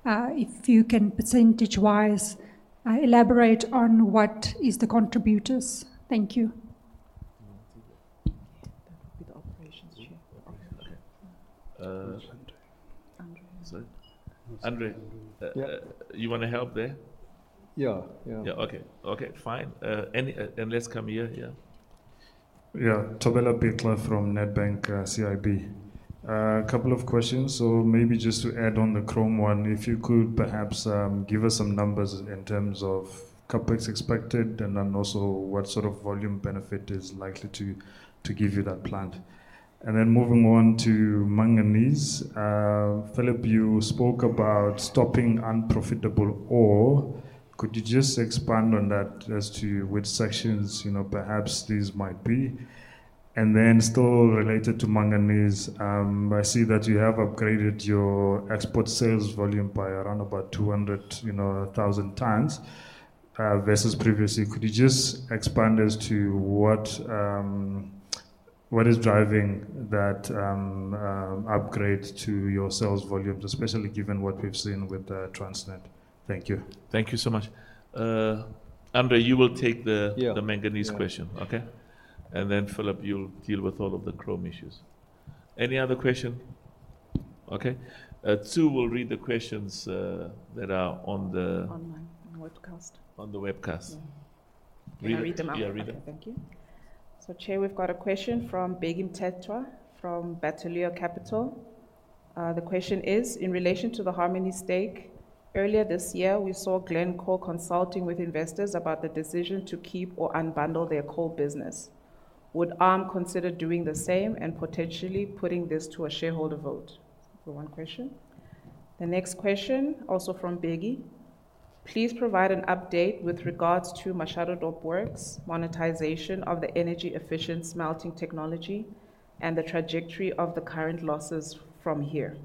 If you can, percentage-wise, elaborate on what is the contributors. Thank you. Do you want to take that? That will be the operations chief. Okay. André. André. Sorry. André. Yeah, you wanna help there? Yeah, yeah. Yeah. Okay. Okay, fine. And let's come here. Yeah. Yeah, Thobela Phekela from Nedbank CIB. A couple of questions. So maybe just to add on the chrome one, if you could perhaps give us some numbers in terms of CapEx expected, and then also what sort of volume benefit is likely to give you that plant? And then moving on to manganese, Phillip, you spoke about stopping unprofitable ore. Could you just expand on that as to which sections, you know, perhaps these might be? And then still related to manganese, I see that you have upgraded your export sales volume by around about two hundred thousand tons versus previously. Could you just expand as to what is driving that upgrade to your sales volumes, especially given what we've seen with the Transnet? Thank you. Thank you so much. André, you will take the manganese question. Yeah. Okay? And then, Phillip, you'll deal with all of the chrome issues. Any other question? Okay. Tsu will read the questions that are on the Online, on webcast. On the webcast. Yeah. Read it- Can I read them out? Yeah, read them. Okay, thank you. So, Chair, we've got a question from Bheki Mthethwa, from Bateleur Capital. The question is: In relation to the Harmony stake, earlier this year, we saw Glencore consulting with investors about the decision to keep or unbundle their coal business. Would ARM consider doing the same and potentially putting this to a shareholder vote? So one question. The next question, also from Bheki: Please provide an update with regards to Machadodorp Works, monetization of the energy efficient smelting technology, and the trajectory of the current losses from here.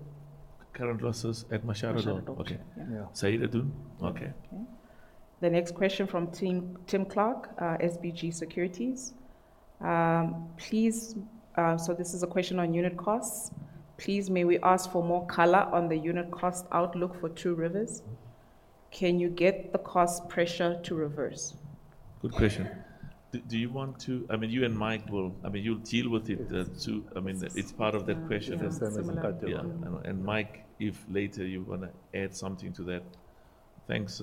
Current losses at Machadodorp. Machadodorp Okay. Yeah. Say it again. Okay. Okay. The next question from Tim, Tim Clark, SBG Securities. Please, so this is a question on unit costs. Please, may we ask for more color on the unit cost outlook for Two Rivers? Can you get the cost pressure to reverse? Good question. Do you want to-- I mean, you and Mike will... I mean, you'll deal with it, Tsu. I mean, it's part of that question. Yeah. Yeah. And Mike, if later you're gonna add something to that. Thanks,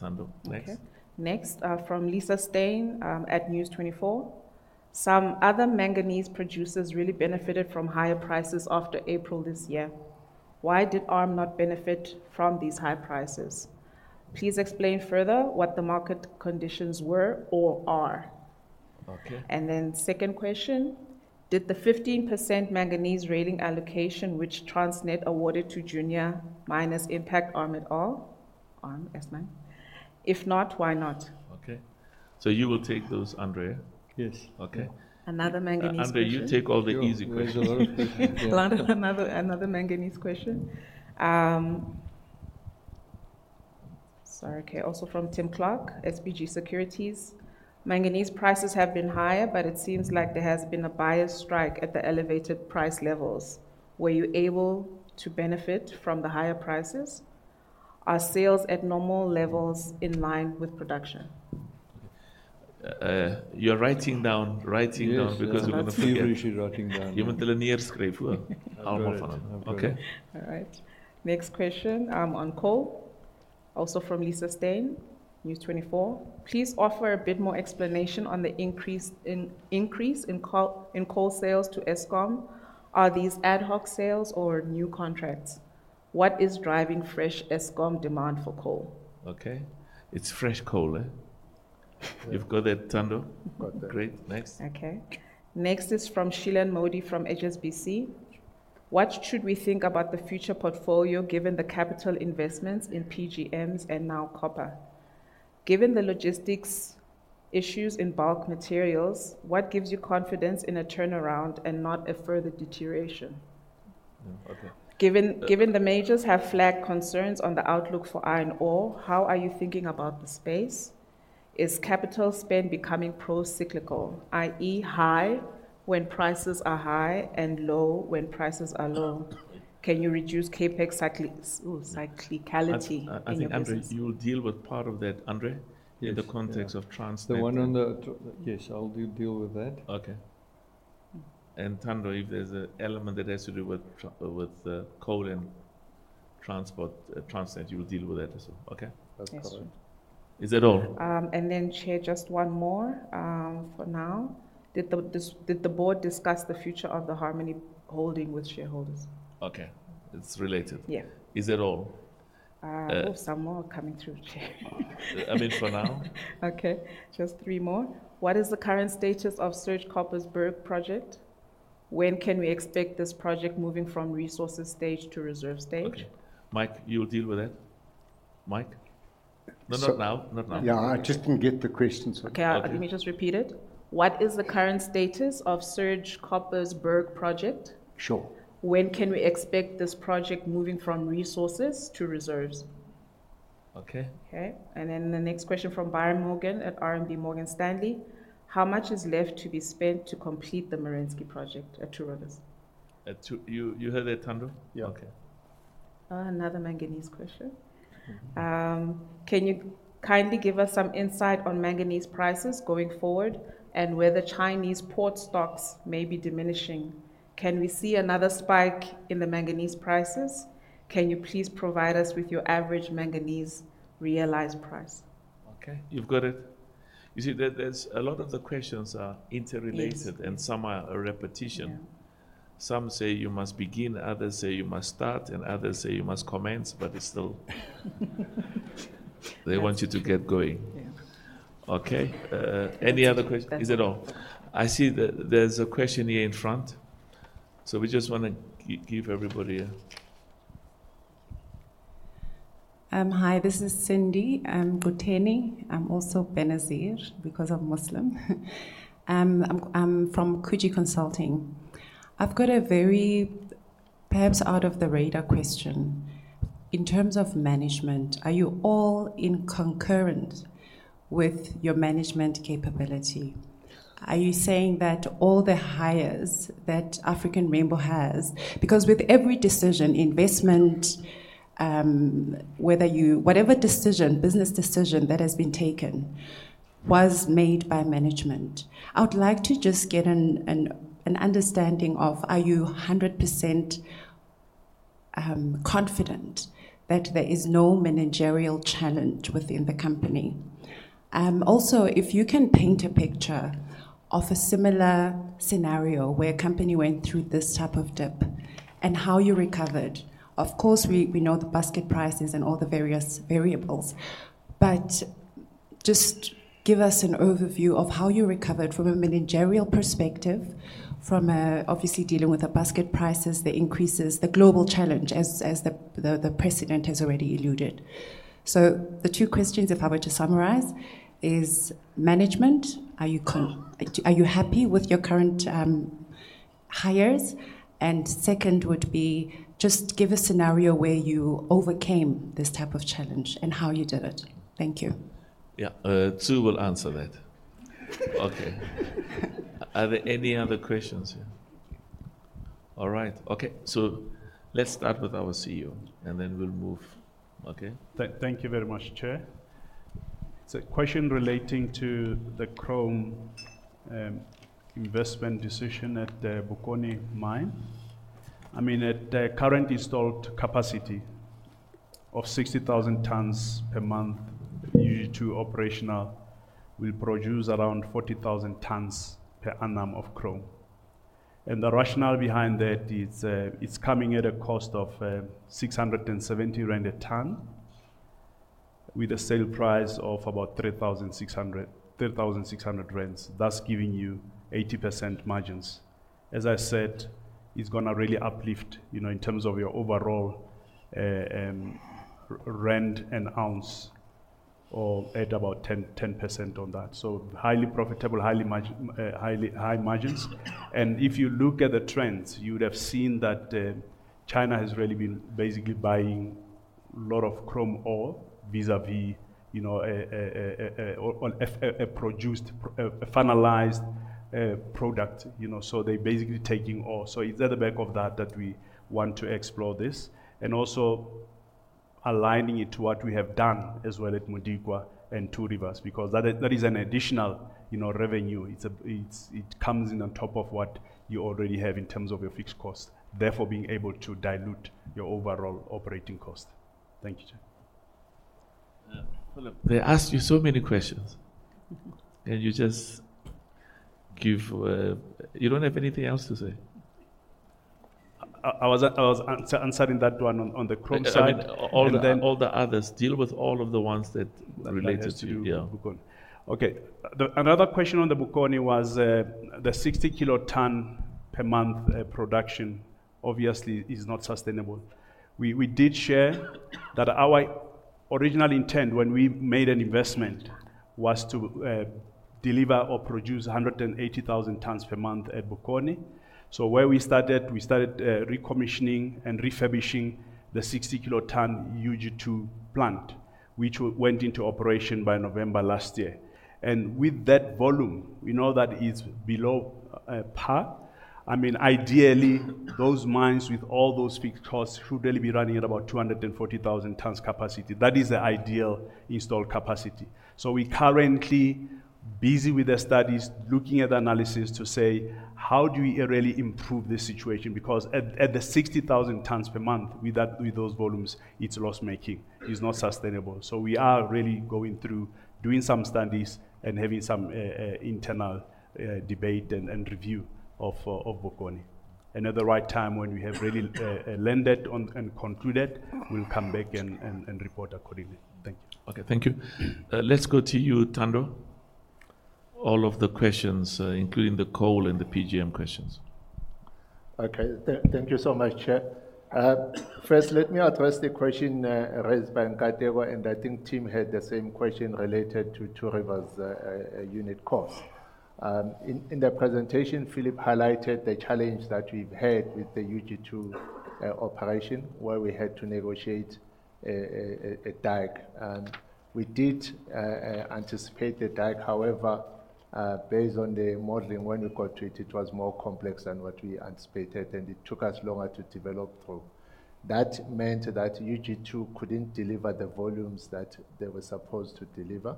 Thando. Next. Okay. Next, from Lisa Steyn, at News24: Some other manganese producers really benefited from higher prices after April this year. Why did ARM not benefit from these high prices? Please explain further what the market conditions were or are. Okay. Second question: Did the 15% manganese rail allocation which Transnet awarded to junior miners impact ARM at all? ARM, yes, ma'am. If not, why not? Okay. So you will take those, André? Yes. Okay. Another manganese question. André, you take all the easy questions. There's a lot of questions. Another manganese question. Sorry, okay, also from Tim Clark, SBG Securities: Manganese prices have been higher, but it seems like there has been a buyer's strike at the elevated price levels. Were you able to benefit from the higher prices? Are sales at normal levels in line with production? You're writing down - yes, yes - because we're gonna forget. I'm furiously writing down. You meant the linear script, huh? I've got it. All of them. Okay. All right. Next question, on coal, also from Lisa Steyn, News24: Please offer a bit more explanation on the increase in coal sales to Eskom. Are these ad hoc sales or new contracts? What is driving fresh Eskom demand for coal? Okay. It's fresh coal, eh? You've got that, Thando? Got that. Great. Next. Okay. Next is from Shilan Modi, from HSBC: What should we think about the future portfolio, given the capital investments in PGMs and now copper? Given the logistics issues in bulk materials, what gives you confidence in a turnaround and not a further deterioration? Yeah. Okay. Given the majors have flagged concerns on the outlook for iron ore, how are you thinking about the space? Is capital spend becoming pro-cyclical, i.e., high when prices are high and low when prices are low? Can you reduce CapEx cyclicality in your business? I think, André, you'll deal with part of that, André. Yes, in the context of Transnet. The one on the. Yes, I'll deal with that. Okay. And Thando, if there's an element that has to do with coal and transport, Transnet, you will deal with that as well, okay? That's correct. Is that all? And then, Chair, just one more for now. Did the board discuss the future of the Harmony holding with shareholders? Okay. It's related. Yeah. Is that all? Oh, some more are coming through, Chair. I mean, for now. Okay, just three more. What is the current status of Surge Copper's Berg project? When can we expect this project moving from resources stage to reserve stage? Okay. Mike, you'll deal with that? Mike? Not, not now, not now. Yeah, I just didn't get the question, so- Okay, let me just repeat it. What is the current status of the Surge Copper Berg project? Sure. When can we expect this project moving from resources to reserves? Okay. Okay, and then the next question from Brian Morgan at RMB Morgan Stanley: How much is left to be spent to complete the Merensky project at Two Rivers? At Two... You heard that, Thando? Yeah. Okay. Another manganese question. Mm-hmm. Can you kindly give us some insight on manganese prices going forward, and whether Chinese port stocks may be diminishing? Can we see another spike in the manganese prices? Can you please provide us with your average manganese realized price? Okay, you've got it. You see, there, there's a lot of the questions are interrelated- Yes... and some are a repetition. Yeah. Some say you must begin, others say you must start, and others say you must commence, but it's still... They want you to get going. Yeah. Okay, any other quest- That's it. Is it all? I see that there's a question here in front, so we just wanna give everybody a- Hi, this is Cindy Kutenga. I'm also Benazir, because I'm Muslim. I'm from Kutenga Consulting. I've got a very perhaps out-of-the-radar question. In terms of management, are you all in concurrent with your management capability? Are you saying that all the hires that African Rainbow has? Because with every decision, investment, whether you whatever decision, business decision that has been taken, was made by management. I would like to just get an understanding of, are you 100% confident that there is no managerial challenge within the company? Also, if you can paint a picture of a similar scenario where a company went through this type of dip and how you recovered. Of course, we know the basket prices and all the various variables, but just give us an overview of how you recovered from a managerial perspective, from obviously dealing with the basket prices, the increases, the global challenge, as the president has already alluded. So the two questions, if I were to summarize, is management: Are you happy with your current hires? And second would be, just give a scenario where you overcame this type of challenge and how you did it. Thank you. Yeah, Tsu will answer that. Okay. Are there any other questions here? All right. Okay, so let's start with our CEO, and then we'll move. Okay? Thank you very much, Chair. It's a question relating to the chrome investment decision at the Bokoni mine. I mean, at the current installed capacity of 60,000 tons per month, UG2 operational will produce around 40,000 tons per annum of chrome. The rationale behind that is, it's coming at a cost of 670 rand a ton, with a sale price of about 3,600, 3,600, thus giving you 80% margins. As I said, it's gonna really uplift, you know, in terms of your overall rand an ounce or at about 10% on that. So highly profitable, high margins. And if you look at the trends, you would have seen that China has really been basically buying a lot of chrome ore, vis-à-vis, you know, a produced finalized product, you know, so they're basically taking ore. So it's at the back of that that we want to explore this, and also aligning it to what we have done as well at Modikwa and Two Rivers, because that is an additional, you know, revenue. It comes in on top of what you already have in terms of your fixed cost, therefore being able to dilute your overall operating cost. Thank you, Chair. They asked you so many questions, and you just give. You don't have anything else to say? I was answering that one on the chrome side. I mean, all the others. And then- Deal with all of the ones that related to you. That has to do with Bokoni. Okay. The another question on the Bokoni was the 60-kiloton per month production obviously is not sustainable. We did share that our original intent when we made an investment was to deliver or produce 180,000 tons per month at Bokoni. So where we started, we started recommissioning and refurbishing the 60-kiloton UG2 plant, which went into operation by November last year. And with that volume, we know that is below par. I mean, ideally those mines, with all those fixed costs, should really be running at about 240,000 tons capacity. That is the ideal installed capacity. So we're currently busy with the studies, looking at the analysis to say: How do we really improve this situation? Because at the 60,000 tons per month, with those volumes, it's loss-making, it's not sustainable. So we are really going through, doing some studies, and having some internal debate and review of Bokoni. And at the right time, when we have really landed on and concluded, we'll come back and report accordingly. Thank you. Okay, thank you. Let's go to you, Thando.... all of the questions, including the coal and the PGM questions. Okay, thank you so much, Chair. First, let me address the question raised by Nkateko, and I think Tim had the same question related to Two Rivers unit cost. In the presentation, Phillip highlighted the challenge that we've had with the UG2 operation, where we had to negotiate a dike. We did anticipate the dike. However, based on the modeling, when we got to it, it was more complex than what we anticipated, and it took us longer to develop through. That meant that UG2 couldn't deliver the volumes that they were supposed to deliver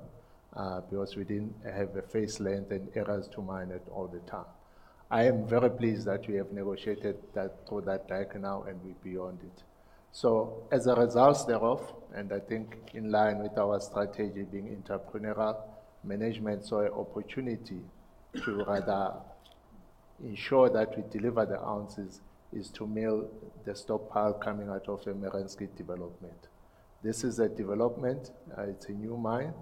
because we didn't have a face length and areas to mine at all the time. I am very pleased that we have negotiated that through that dike now, and we're beyond it. So as a result thereof, and I think in line with our strategy being entrepreneurial, management saw an opportunity to rather ensure that we deliver the ounces, is to mill the stockpile coming out of Merensky development. This is a development, it's a new mine,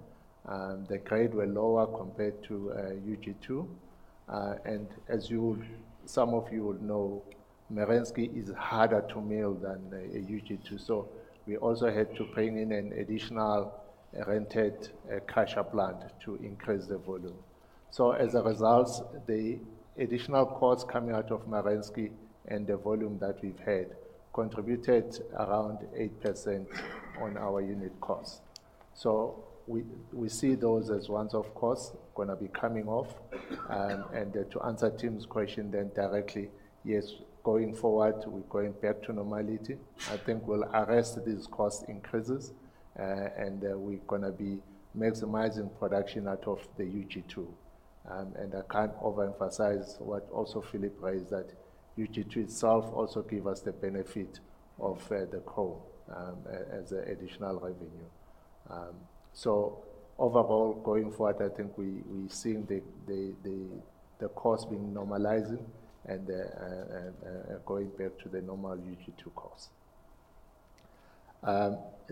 and the grade were lower compared to UG2. And as you would, some of you would know, Merensky is harder to mill than the UG2, so we also had to bring in an additional rented crusher plant to increase the volume. So as a result, the additional costs coming out of Merensky and the volume that we've had contributed around 8% on our unit cost. So we see those as ones, of course, gonna be coming off. And to answer Tim's question then directly, yes, going forward, we're going back to normality. I think we'll arrest these cost increases, and we're gonna be maximizing production out of the UG2. I can't overemphasize what also Phillip raised, that UG2 itself also give us the benefit of the coal as additional revenue. Overall, going forward, I think we've seen the cost being normalizing and going back to the normal UG2 cost.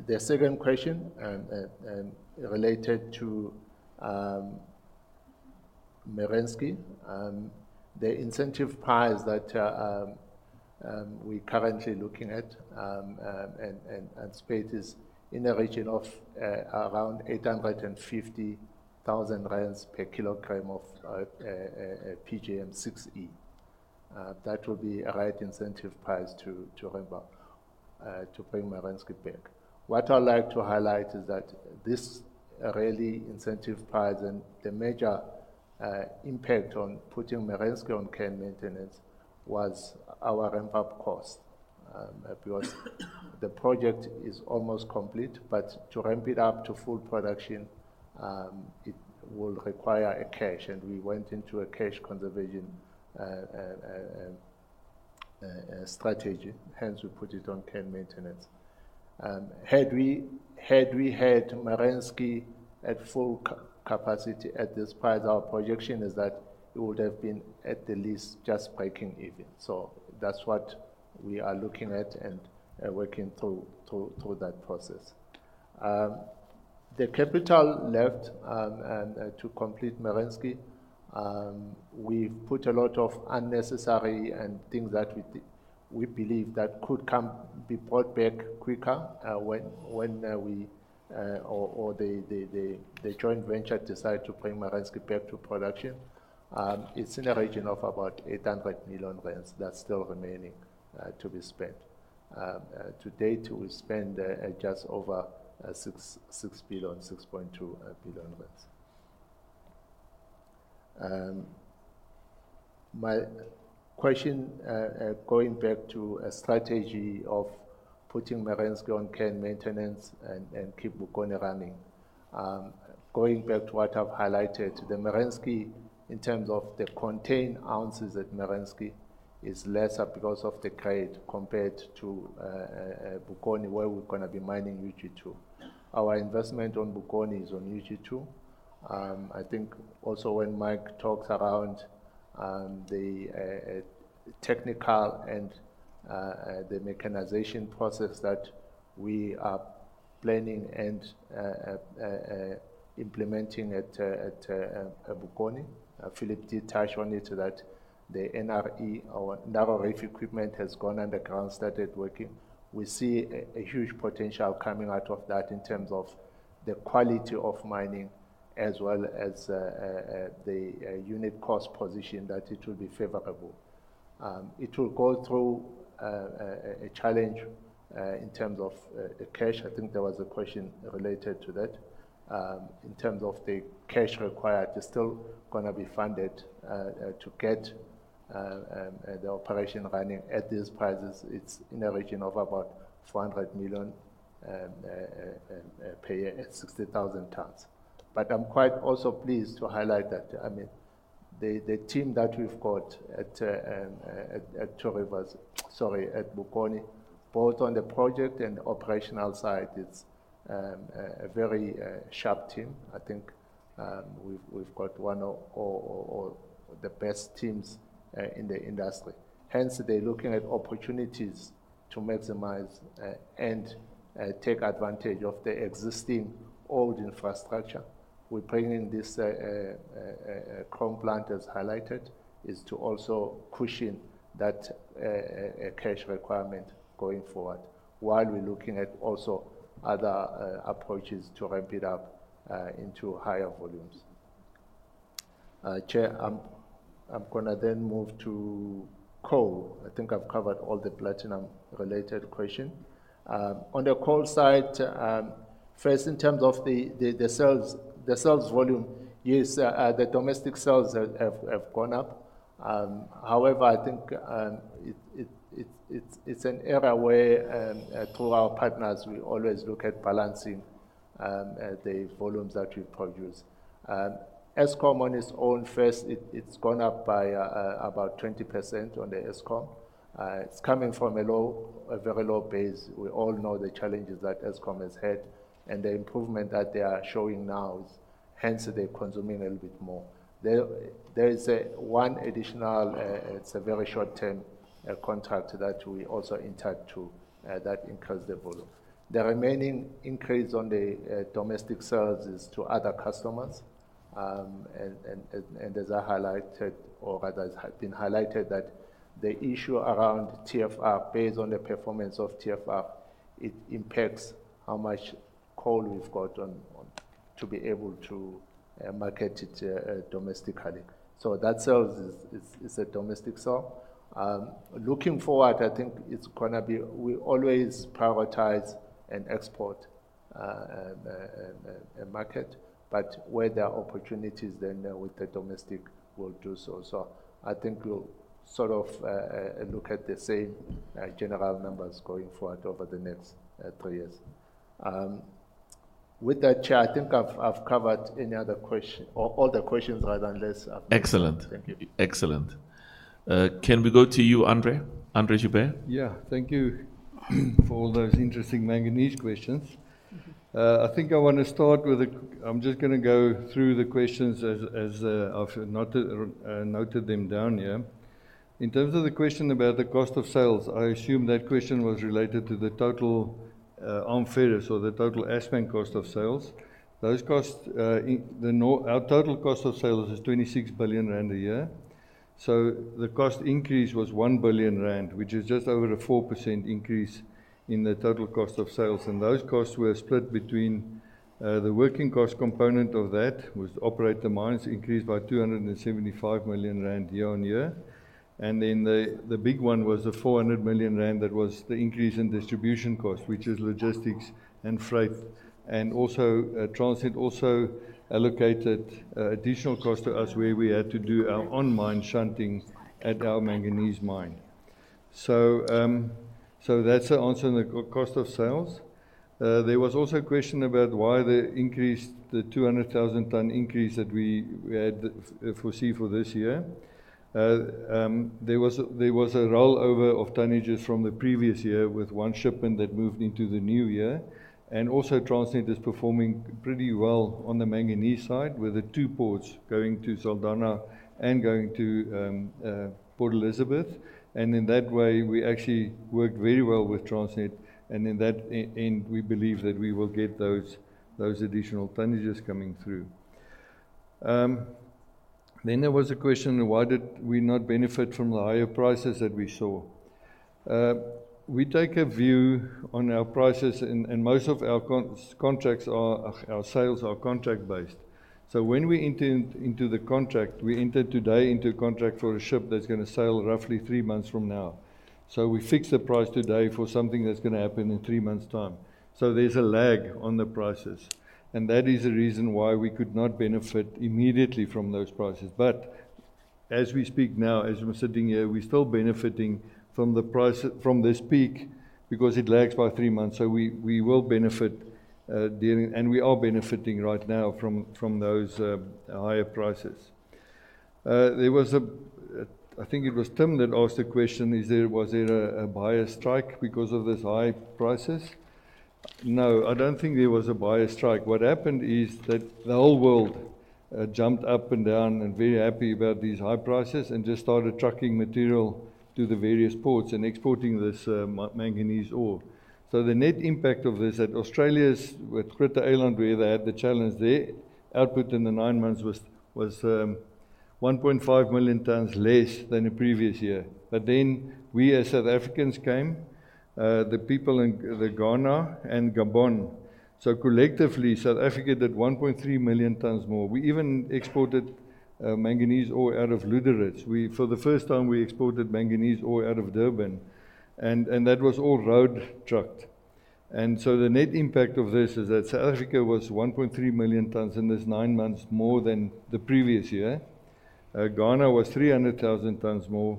The second question related to Merensky, the incentive price that we're currently looking at, and pace is in the region of around 850,000 rand per kilogram of 6E PGM. That will be a right incentive price to ramp up to bring Merensky back. What I'd like to highlight is that this really incentive price and the major impact on putting Merensky on care maintenance was our ramp-up cost. Because the project is almost complete, but to ramp it up to full production, it would require a cash, and we went into a cash conservation strategy, hence we put it on care maintenance. Had we had Merensky at full capacity at this price, our projection is that it would have been at the least just breaking even. So that's what we are looking at and working through that process. The capital left, and to complete Merensky, we've put a lot of unnecessary things that we believe that could be brought back quicker, when we or the joint venture decide to bring Merensky back to production. It's in a region of about 800 million rand that's still remaining to be spent. To date, we spent just over 6.2 billion. My question going back to a strategy of putting Merensky on care and maintenance and keep Bokoni running. Going back to what I've highlighted, the Merensky, in terms of the contained ounces at Merensky, is lesser because of the grade compared to Bokoni, where we're gonna be mining UG2. Our investment on Bokoni is on UG2. I think also when Mike talks around the technical and the mechanization process that we are planning and implementing at Bokoni, Phillip did touch on it, that the NRE, our narrow reef equipment, has gone underground, started working. We see a huge potential coming out of that in terms of the quality of mining as well as the unit cost position, that it will be favorable. It will go through a challenge in terms of cash. I think there was a question related to that. In terms of the cash required, it's still gonna be funded to get the operation running at these prices. It's in a region of about 400 million per 60,000 tons. But I'm quite also pleased to highlight that, I mean, the team that we've got at Two Rivers. Sorry, at Bokoni, both on the project and operational side, it's a very sharp team. I think we've got one of the best teams in the industry. Hence, they're looking at opportunities to maximize and take advantage of the existing old infrastructure. We're bringing this chrome plant, as highlighted, is to also cushion that a cash requirement going forward, while we're looking at also other approaches to ramp it up into higher volumes. Chair, I'm gonna then move to coal. I think I've covered all the platinum-related question. On the coal side, first, in terms of the sales, the sales volume, yes, the domestic sales have gone up. However, I think it's an era where through our partners we always look at balancing the volumes that we produce. Eskom on its own, first, it's gone up by about 20% on the Eskom. It's coming from a low, a very low base. We all know the challenges that Eskom has had, and the improvement that they are showing now is hence they're consuming a little bit more. There is one additional, it's a very short-term contract that we also entered to that increased the volume. The remaining increase on the domestic sales is to other customers. As I highlighted, or rather, it has been highlighted that the issue around TFR, based on the performance of TFR, impacts how much coal we've got on to be able to market it domestically. So that sales is a domestic sale. Looking forward, I think it's gonna be we always prioritize an export market, but where there are opportunities then with the domestic, we'll do so. So I think we'll sort of look at the same general numbers going forward over the next three years. With that, Chair, I think I've covered any other question or all the questions, rather, unless- Excellent. Thank you. Excellent. Can we go to you, André? André Joubert? Yeah, thank you for all those interesting manganese questions. I think I want to start with the. I'm just gonna go through the questions as I've noted them down here. In terms of the question about the cost of sales, I assume that question was related to the total ARM ferrous or the total Assmang cost of sales. Those costs in our total cost of sales is 26 billion rand a year. So the cost increase was 1 billion rand, which is just over a 4% increase in the total cost of sales. And those costs were split between the working cost component of that, which operate the mines, increased by 275 million rand year on year. Then the big one was the 400 million rand ZAR, that was the increase in distribution cost, which is logistics and freight. Transnet also allocated additional cost to us where we had to do our on-mine shunting at our manganese mine. That's the answer on the cost of sales. There was also a question about why the increase, the 200,000-ton increase that we had foreseen for this year. There was a rollover of tonnages from the previous year with one shipment that moved into the new year. Transnet is performing pretty well on the manganese side, with the two ports going to Saldanha and going to Port Elizabeth. In that way, we actually worked very well with Transnet, and in the end, we believe that we will get those additional tonnages coming through. There was a question: Why did we not benefit from the higher prices that we saw? We take a view on our prices, and most of our sales are contract-based. So when we enter into the contract, we enter today into a contract for a ship that's gonna sail roughly three months from now. So we fix the price today for something that's gonna happen in three months' time. So there's a lag on the prices, and that is the reason why we could not benefit immediately from those prices. As we speak now, as I'm sitting here, we're still benefiting from the price, from this peak, because it lags by three months. We will benefit during and we are benefiting right now from those higher prices. There was, I think it was Tim that asked the question: Is there, was there a buyer strike because of these high prices? No, I don't think there was a buyer strike. What happened is that the whole world jumped up and down and very happy about these high prices and just started trucking material to the various ports and exporting this manganese ore. So the net impact of this, that Australia's with Groote Eylandt, where they had the challenge there, output in the nine months was 1.5 million tons less than the previous year. But then we, as South Africans, came, the people in Ghana and Gabon. So collectively, South Africa did 1.3 million tons more. We even exported manganese ore out of Lüderitz. We, for the first time, we exported manganese ore out of Durban, and that was all road trucked. And so the net impact of this is that South Africa was 1.3 million tons in this nine months, more than the previous year. Ghana was 300,000 tons more,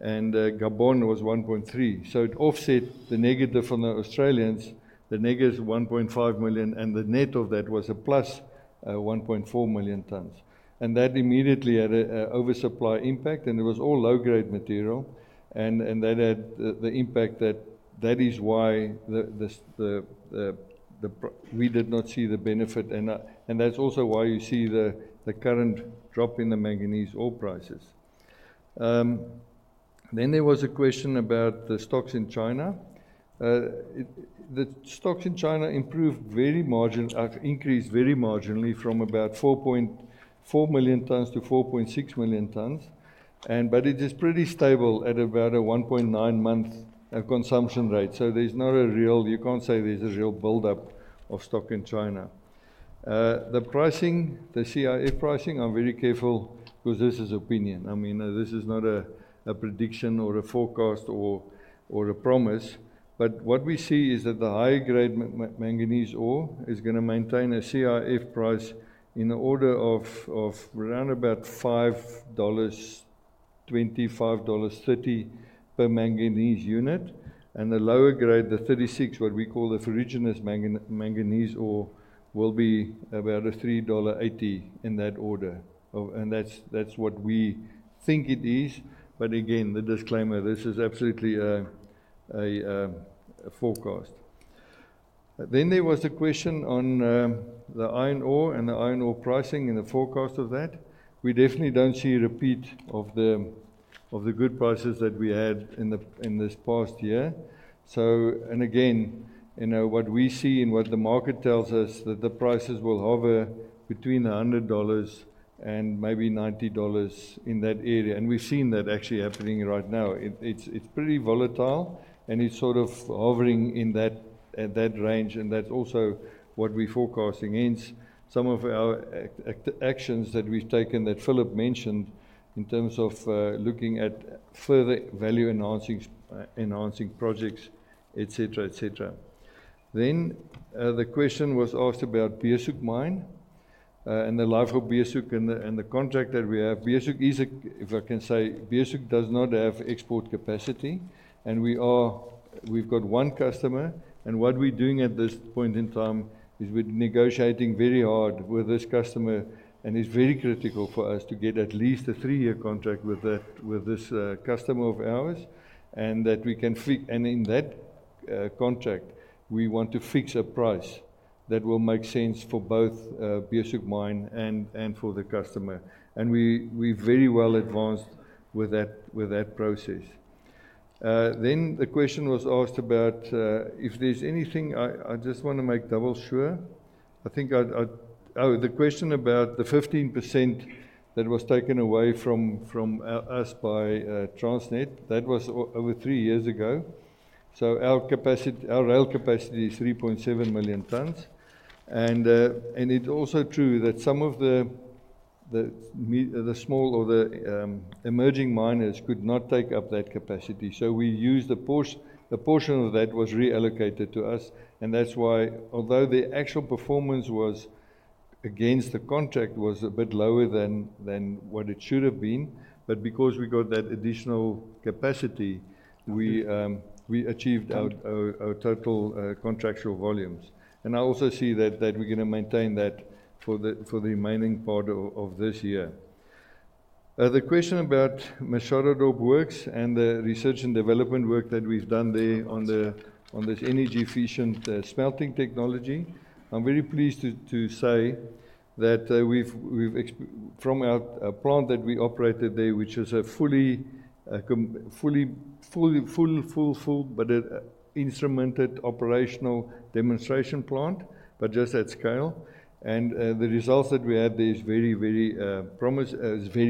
and Gabon was 1.3. So it offset the negative from the Australians, the -1.5 million, and the net of that was a plus 1.4 million tons. And that immediately had an oversupply impact, and it was all low-grade material, and that had the impact that is why the price we did not see the benefit. That's also why you see the current drop in the manganese ore prices. There was a question about the stocks in China. The stocks in China increased very marginally from about 4.4 million tons to 4.6 million tons. It is pretty stable at about a 1.9 month consumption rate. There's not a real buildup of stock in China. You can't say there's a real buildup of stock in China. The pricing, the CIF pricing, I'm very careful because this is opinion. I mean, this is not a prediction or a forecast or a promise, but what we see is that the high-grade manganese ore is gonna maintain a CIF price in the order of around about $5.25-$5.30 per manganese unit. The lower grade, the 36, what we call the ferruginous manganese ore, will be about $3.80 in that order of... And that's what we think it is. But again, the disclaimer, this is absolutely a forecast. There was a question on the iron ore and the iron ore pricing and the forecast of that. We definitely don't see a repeat of the good prices that we had in this past year. And again, you know, what we see and what the market tells us, that the prices will hover between $100 and maybe $90 in that area, and we've seen that actually happening right now. It's pretty volatile, and it's sort of hovering in that, at that range, and that's also what we're forecasting. Hence, some of our actions that we've taken, that Phillip mentioned, in terms of looking at further value-enhancing enhancing projects, et cetera, et cetera, then the question was asked about Beeshoek Mine and the life of Beeshoek and the contract that we have. Beeshoek is a, if I can say, Beeshoek does not have export capacity, and we've got one customer, and what we're doing at this point in time is we're negotiating very hard with this customer. It's very critical for us to get at least a three-year contract with that, with this customer of ours, and that we can and in that contract, we want to fix a price that will make sense for both Beeshoek Mine and for the customer. We're very well advanced with that process. Then the question was asked about if there's anything I just wanna make double sure. I think I... Oh, the question about the 15% that was taken away from us by Transnet. That was over three years ago. So our capacity, our rail capacity is 3.7 million tons. And it's also true that some of the small or the emerging miners could not take up that capacity. So we used a portion of that was reallocated to us, and that's why although the actual performance against the contract was a bit lower than what it should have been, but because we got that additional capacity, we achieved our total contractual volumes. And I also see that we're gonna maintain that for the remaining part of this year. The question about Machadodorp Works and the research and development work that we've done there on this energy-efficient smelting technology, I'm very pleased to say that we have experience from our plant that we operated there, which is a fully commissioned, fully instrumented operational demonstration plant, but just at scale. And the results that we had there is very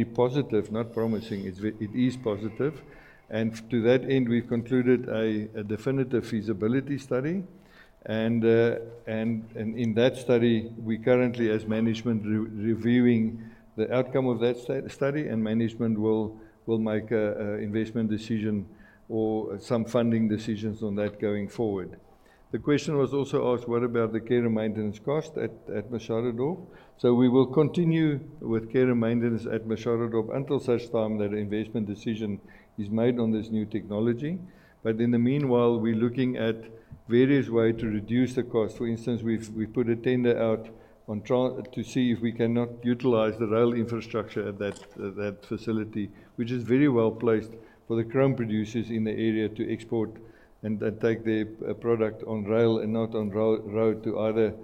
positive, not promising. It is positive. And to that end, we've concluded a definitive feasibility study. In that study, we currently, as management, are reviewing the outcome of that study, and management will make an investment decision or some funding decisions on that going forward. The question was also asked: What about the care and maintenance costs at Machadodorp? We will continue with care and maintenance at Machadodorp until such time that an investment decision is made on this new technology. But in the meanwhile, we're looking at various ways to reduce the costs. For instance, we've put a tender out to see if we cannot utilize the rail infrastructure at that facility, which is very well placed for the chrome producers in the area to export and take their product on rail and not on road to either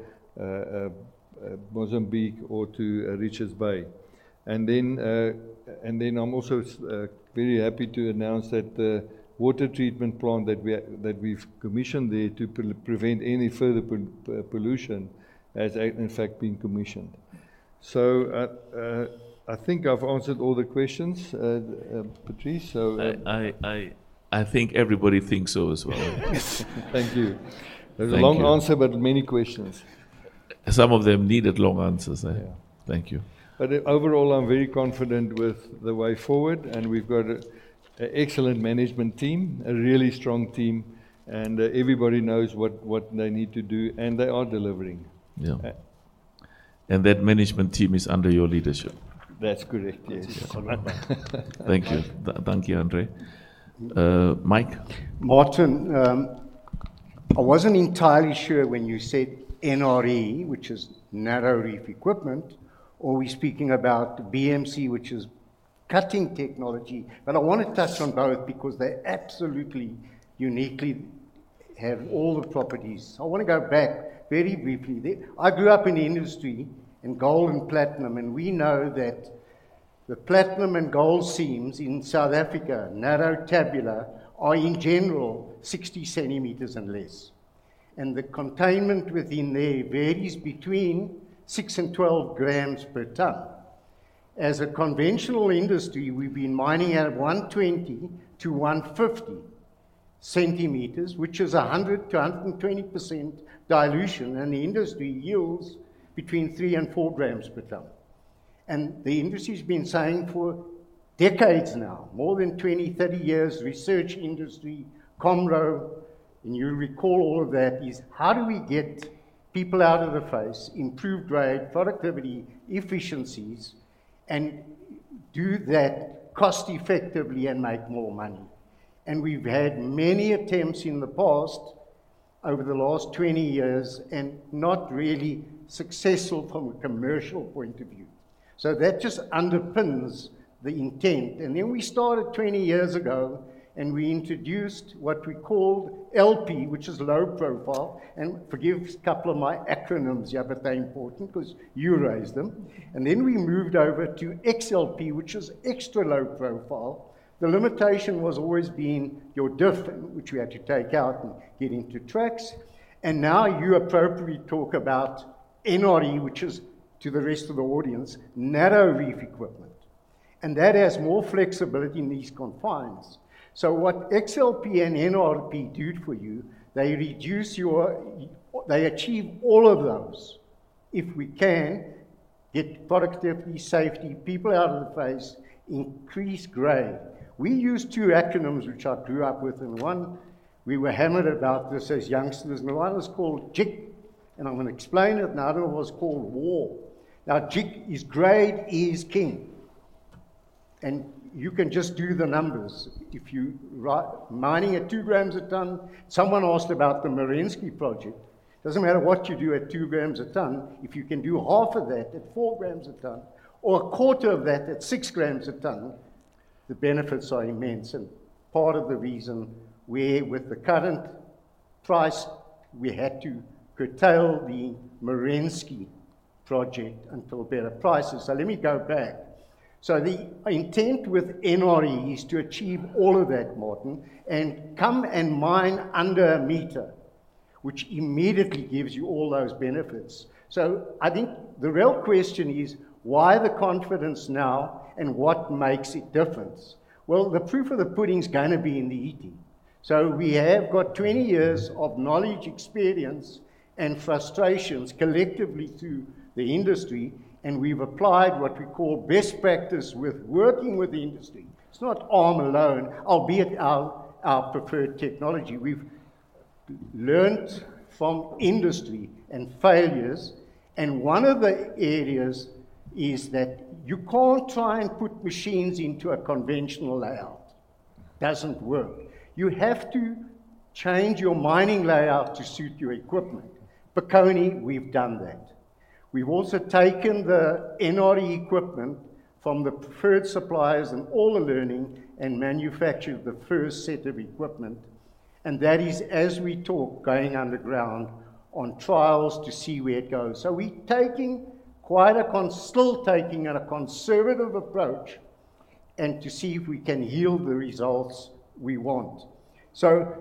Mozambique or to Richards Bay. And then I'm also very happy to announce that the water treatment plant that we've commissioned there to prevent any further pollution has, in fact, been commissioned. So, I think I've answered all the questions, Patrice, so, I think everybody thinks so as well. Thank you. Thank you. It was a long answer, but many questions. Some of them needed long answers, eh? Yeah. Thank you. Overall, I'm very confident with the way forward, and we've got an excellent management team, a really strong team, and everybody knows what they need to do, and they are delivering. Yeah. Uh- That management team is under your leadership. That's correct, yes. All right. Thank you. Thank you, André. Mike? Martin, I wasn't entirely sure when you said NRE, which is Narrow Reef Equipment, or are we speaking about BMC, which is cutting technology? But I wanna touch on both because they're absolutely uniquely have all the properties. I wanna go back very briefly. I grew up in the industry, in gold and platinum, and we know that the platinum and gold seams in South Africa, narrow tabular, are in general 60 centimeters and less. The containment within there varies between six and 12 grams per ton. As a conventional industry, we've been mining at 120-150 centimeters, which is 100-120% dilution, and the industry yields between three and four grams per ton. The industry's been saying for decades now, more than twenty, thirty years, research industry, COMRO, and you recall all of that, is how do we get people out of the face, improve grade, productivity, efficiencies, and do that cost-effectively and make more money? We've had many attempts in the past, over the last twenty years, and not really successful from a commercial point of view. That just underpins the intent. Then we started twenty years ago, and we introduced what we called LP, which is low profile. Forgive a couple of my acronyms here, but they're important 'cause you raised them. Then we moved over to XLP, which is extra low profile. The limitation was always being your drift, which we had to take out and get into tracks. Now you appropriately talk about NRE, which is, to the rest of the audience, narrow reef equipment, and that has more flexibility in these confines. What XLP and NRE do for you, they reduce your. They achieve all of those. If we can get productivity, safety, people out of the face, increase grade. We use two acronyms, which I grew up with, and one, we were hammered about this as youngsters, and one was called GIK, and I'm gonna explain it, and the other one was called WAR. Now, GIK is grade is king, and you can just do the numbers. If you right mining at two grams a ton... Someone asked about the Merensky project. Doesn't matter what you do at two grams a ton. If you can do half of that at four grams a ton or a quarter of that at six grams a ton, the benefits are immense, and part of the reason we, with the current price, we had to curtail the Merensky project until better prices. So let me go back. So the intent with NRE is to achieve all of that, Martin, and come and mine under a meter, which immediately gives you all those benefits. So I think the real question is, why the confidence now, and what makes it different? Well, the proof of the pudding is gonna be in the eating. So we have got 20 years of knowledge, experience, and frustrations collectively through the industry, and we've applied what we call best practice with working with the industry. It's not ARM alone, albeit our preferred technology. We've learned from industry and failures, and one of the areas is that you can't try and put machines into a conventional layout. Doesn't work. You have to change your mining layout to suit your equipment. At Bokoni, we've done that. We've also taken the NRE equipment from the preferred suppliers and all the learning, and manufactured the first set of equipment, and that is, as we talk, going underground on trials to see where it goes. So we're taking a conservative approach, and to see if we can yield the results we want. So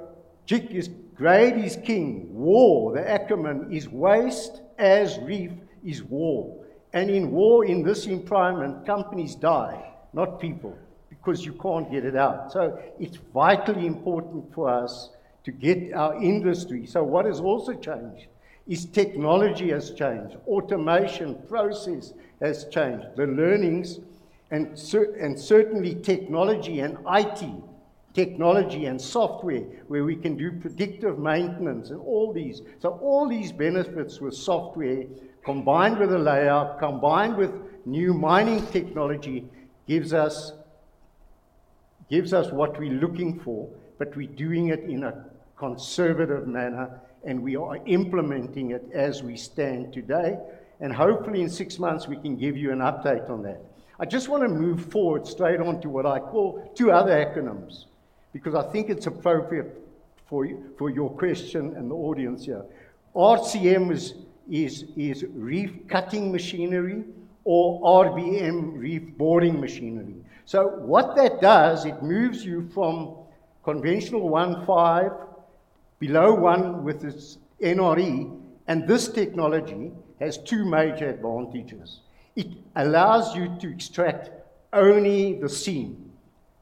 GIK is grade is king. WAR, the acronym, is waste as reef is war. And in war, in this environment, companies die, not people, because you can't get it out. So it's vitally important for us to get our industry. What has also changed is technology has changed, automation process has changed, the learnings, and certainly technology and IT, technology and software, where we can do predictive maintenance and all these. So all these benefits with software, combined with the layout, combined with new mining technology, gives us what we're looking for, but we're doing it in a conservative manner, and we are implementing it as we stand today. Hopefully, in six months, we can give you an update on that. I just wanna move forward straight on to what I call two other acronyms, because I think it's appropriate for your question and the audience here. RCM is reef cutting machinery or RBM, reef boring machinery. What that does, it moves you from conventional one five below one with its NRE, and this technology has two major advantages. It allows you to extract only the seam.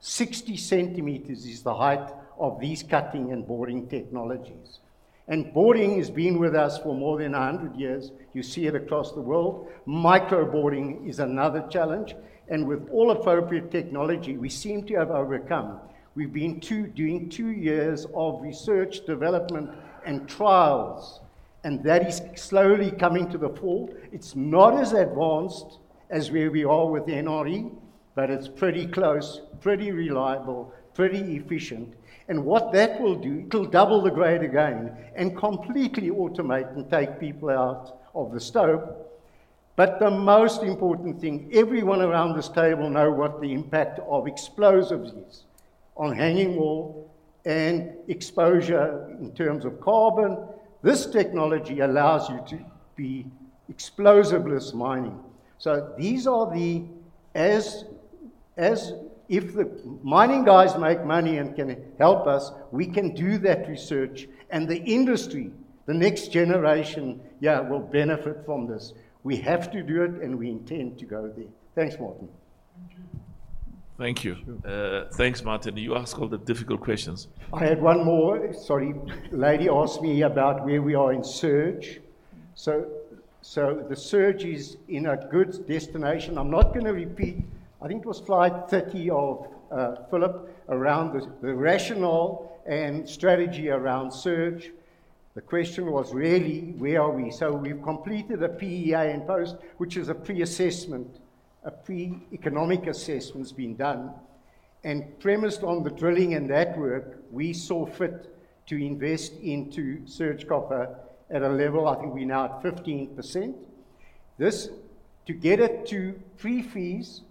60 centimeters is the height of these cutting and boring technologies, and boring has been with us for more than 100 years. You see it across the world. Micro boring is another challenge, and with all appropriate technology, we seem to have overcome. We've been doing two years of research, development, and trials, and that is slowly coming to the fore. It's not as advanced as where we are with NRE, but it's pretty close, pretty reliable, pretty efficient. And what that will do, it'll double the grade again and completely automate and take people out of the stope. But the most important thing, everyone around this table know what the impact of explosives is on hanging wall and exposure in terms of carbon. This technology allows you to be explosiveless mining. So these are the assets if the mining guys make money and can help us, we can do that research, and the industry, the next generation, yeah, will benefit from this. We have to do it, and we intend to go there. Thanks, Martin. Thank you. Thank you. Sure. Thanks, Martin. You ask all the difficult questions. I had one more. Sorry. Lady asked me about where we are in Surge. So, so the Surge is in a good destination. I'm not gonna repeat, I think it was slide 30 of, uh, Phillip, around the, the rationale and strategy around Surge. The question was really, where are we? So we've completed a PEA in post, which is a pre-assessment, a pre-economic assessment's been done. And premised on the drilling and that work, we saw fit to invest into Surge Copper at a level, I think we're now at 15%. This, to get it to pre-fees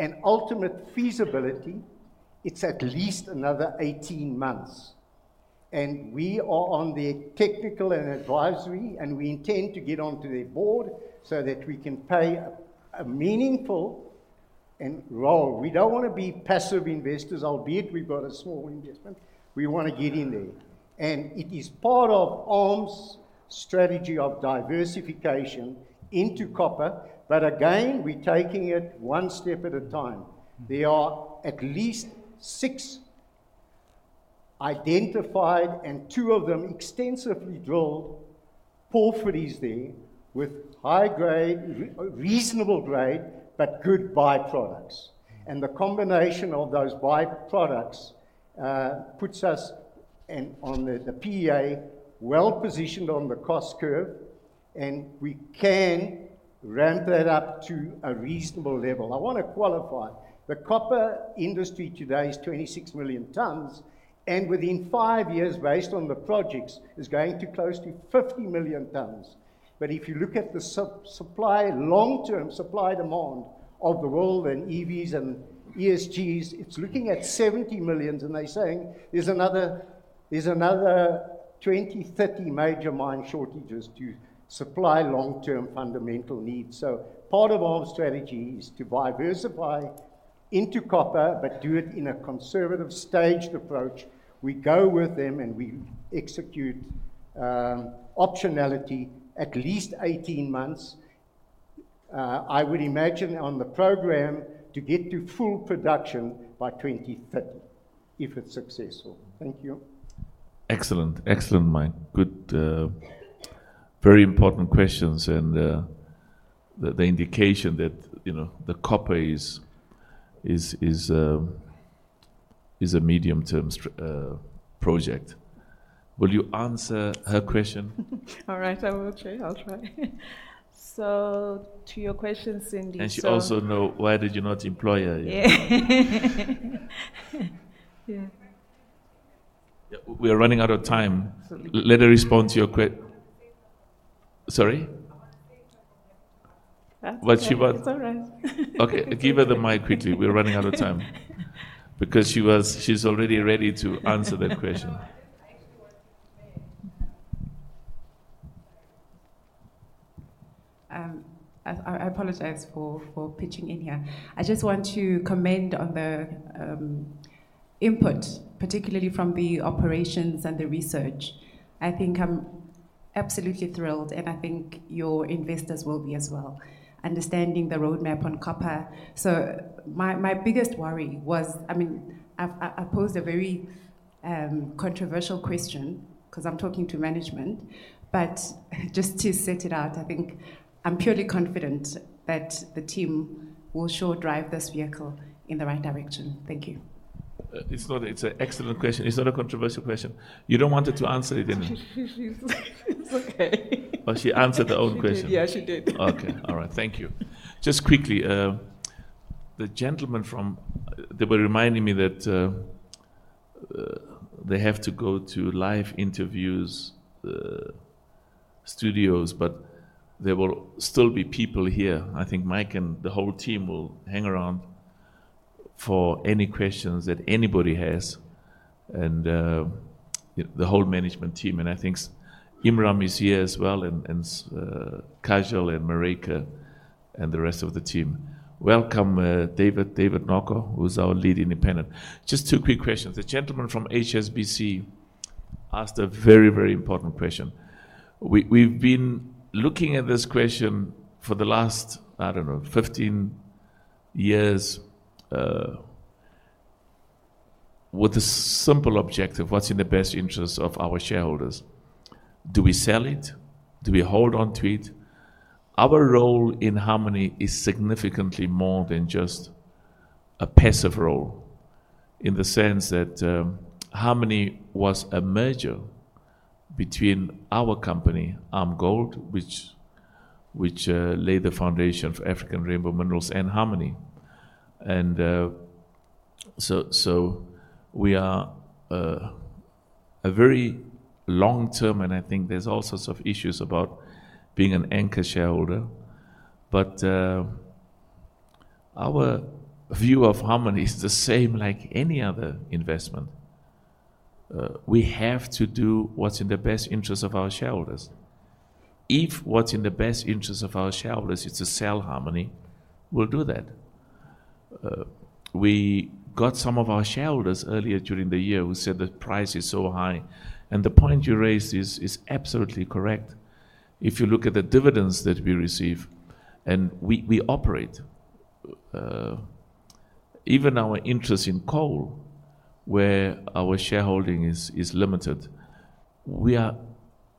and ultimate feasibility, it's at least another 18 months. And we are on the technical and advisory, and we intend to get onto their board so that we can play a meaningful role. We don't wanna be passive investors, albeit we've got a small investment. We wanna get in there. And it is part of ARM's strategy of diversification into copper, but again, we're taking it one step at a time. There are at least six identified, and two of them extensively drilled porphyries there with high grade, reasonable grade, but good byproducts. And the combination of those byproducts puts us in on the PEA, well-positioned on the cost curve, and we can ramp that up to a reasonable level. I wanna qualify, the copper industry today is 26 million tons, and within five years, based on the projects, is going to close to 50 million tons. But if you look at the supply, long-term supply-demand of the world and EVs and ESGs, it's looking at 70 million, and they're saying there's another 20, 30 major mine shortages to supply long-term fundamental needs. So part of our strategy is to diversify into copper, but do it in a conservative, staged approach. We go with them, and we execute, optionality at least eighteen months, I would imagine on the program, to get to full production by 2030, if it's successful. Thank you. Excellent. Excellent, Mike. Good, very important questions, and, the indication that, you know, the copper is a medium-term project. Will you answer her question? All right, I will try. I'll try. So to your question, Cindy. And she also know why did you not employ her yet? Yeah. Yeah. Yeah, we are running out of time. Absolutely. Let her respond to your que- I want to say something. Sorry? I want to say something. That's all right. It's all right. Okay, give her the mic quickly. We're running out of time. Because she's already ready to answer that question. No, I just actually want to say, I apologize for pitching in here. I just want to comment on the input, particularly from the operations and the research. I think I'm absolutely thrilled, and I think your investors will be as well, understanding the roadmap on copper. So my biggest worry was... I mean, I've posed a very controversial question, 'cause I'm talking to management, but just to set it out, I think I'm purely confident that the team will sure drive this vehicle in the right direction. Thank you. It's not. It's an excellent question. It's not a controversial question. You don't want her to answer it, then? She... It's okay. Oh, she answered her own question. She did. Yeah, she did. Okay. All right. Thank you. Just quickly, the gentleman from... They were reminding me that, they have to go to live interviews, studios, but there will still be people here. I think Mike and the whole team will hang around for any questions that anybody has, and, the whole management team, and I think Imran is here as well, and, Kajal and Marike, and the rest of the team. Welcome, David, David Noko, who's our lead independent. Just two quick questions. The gentleman from HSBC asked a very, very important question. We've been looking at this question for the last, I don't know, 15 years, with a simple objective: what's in the best interest of our shareholders? Do we sell it? Do we hold on to it? Our role in Harmony is significantly more than just a passive role, in the sense that, Harmony was a merger between our company, ARM Gold, which laid the foundation for African Rainbow Minerals and Harmony. And. So we are a very long term, and I think there's all sorts of issues about being an anchor shareholder. But, our view of Harmony is the same like any other investment. We have to do what's in the best interest of our shareholders. If what's in the best interest of our shareholders is to sell Harmony, we'll do that. We got some of our shareholders earlier during the year who said the price is so high, and the point you raised is absolutely correct. If you look at the dividends that we receive, and we operate even our interest in coal, where our shareholding is limited, we are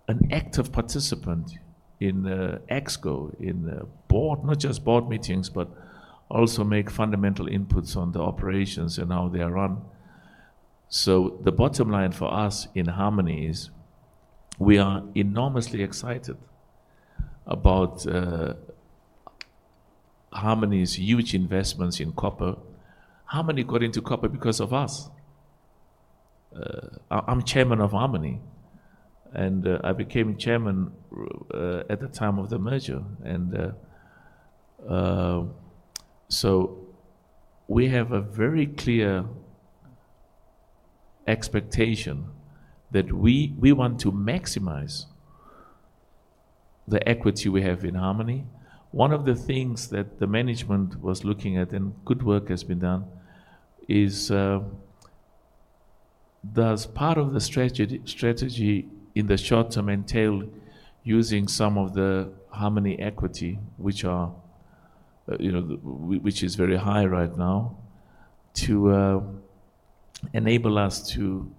an active participant in the ExCo, in the board. Not just board meetings, but also make fundamental inputs on the operations and how they are run. So the bottom line for us in Harmony is, we are enormously excited about Harmony's huge investments in copper. Harmony got into copper because of us. I'm chairman of Harmony, and I became chairman at the time of the merger, and so we have a very clear expectation that we want to maximize the equity we have in Harmony. One of the things that the management was looking at, and good work has been done, is, does part of the strategy in the short term entail using some of the Harmony equity, which are, you know, which is very high right now, to enable us to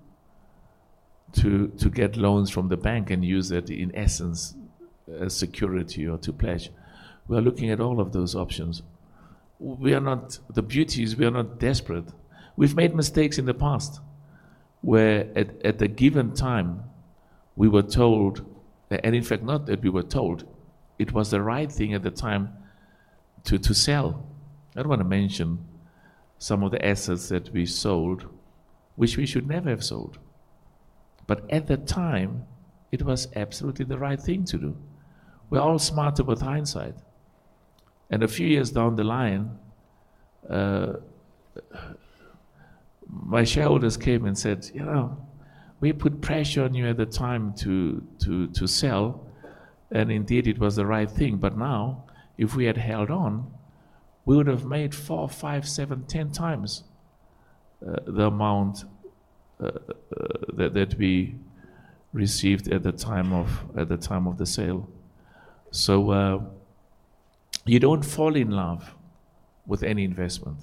get loans from the bank and use that, in essence, as security or to pledge? We are looking at all of those options. We are not... The beauty is we are not desperate. We've made mistakes in the past, where at a given time, we were told, and in fact, not that we were told, it was the right thing at the time to sell. I don't want to mention some of the assets that we sold, which we should never have sold, but at the time, it was absolutely the right thing to do. We're all smarter with hindsight, and a few years down the line, my shareholders came and said, "You know, we put pressure on you at the time to sell, and indeed, it was the right thing, but now, if we had held on, we would have made four, five, seven, 10 times the amount that we received at the time of the sale," so you don't fall in love with any investment.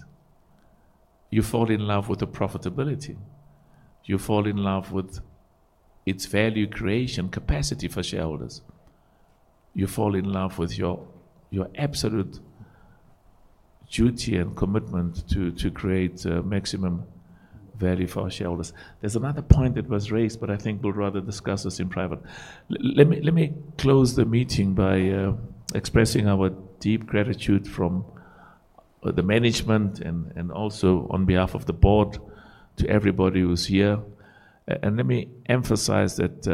You fall in love with the profitability. You fall in love with its value creation capacity for shareholders. You fall in love with your absolute duty and commitment to create maximum value for our shareholders. There's another point that was raised, but I think we'll rather discuss this in private. Let me close the meeting by expressing our deep gratitude from the management and also on behalf of the board to everybody who's here. And let me emphasize that,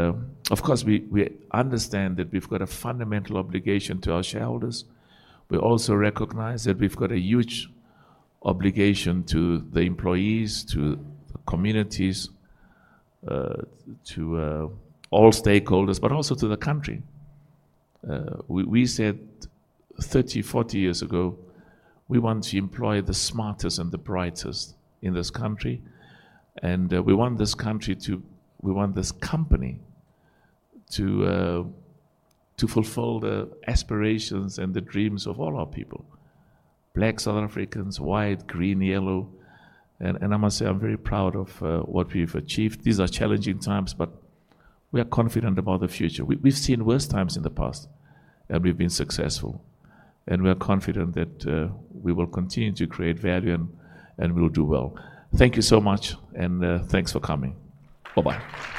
of course, we understand that we've got a fundamental obligation to our shareholders. We also recognize that we've got a huge obligation to the employees, to the communities, to all stakeholders, but also to the country. We said thirty, forty years ago, we want to employ the smartest and the brightest in this country, and we want this country to, we want this company to fulfill the aspirations and the dreams of all our people, black South Africans, white, green, yellow. I must say, I'm very proud of what we've achieved. These are challenging times, but we are confident about the future. We've seen worse times in the past, and we've been successful, and we are confident that we will continue to create value and we'll do well. Thank you so much, and thanks for coming. Bye-bye.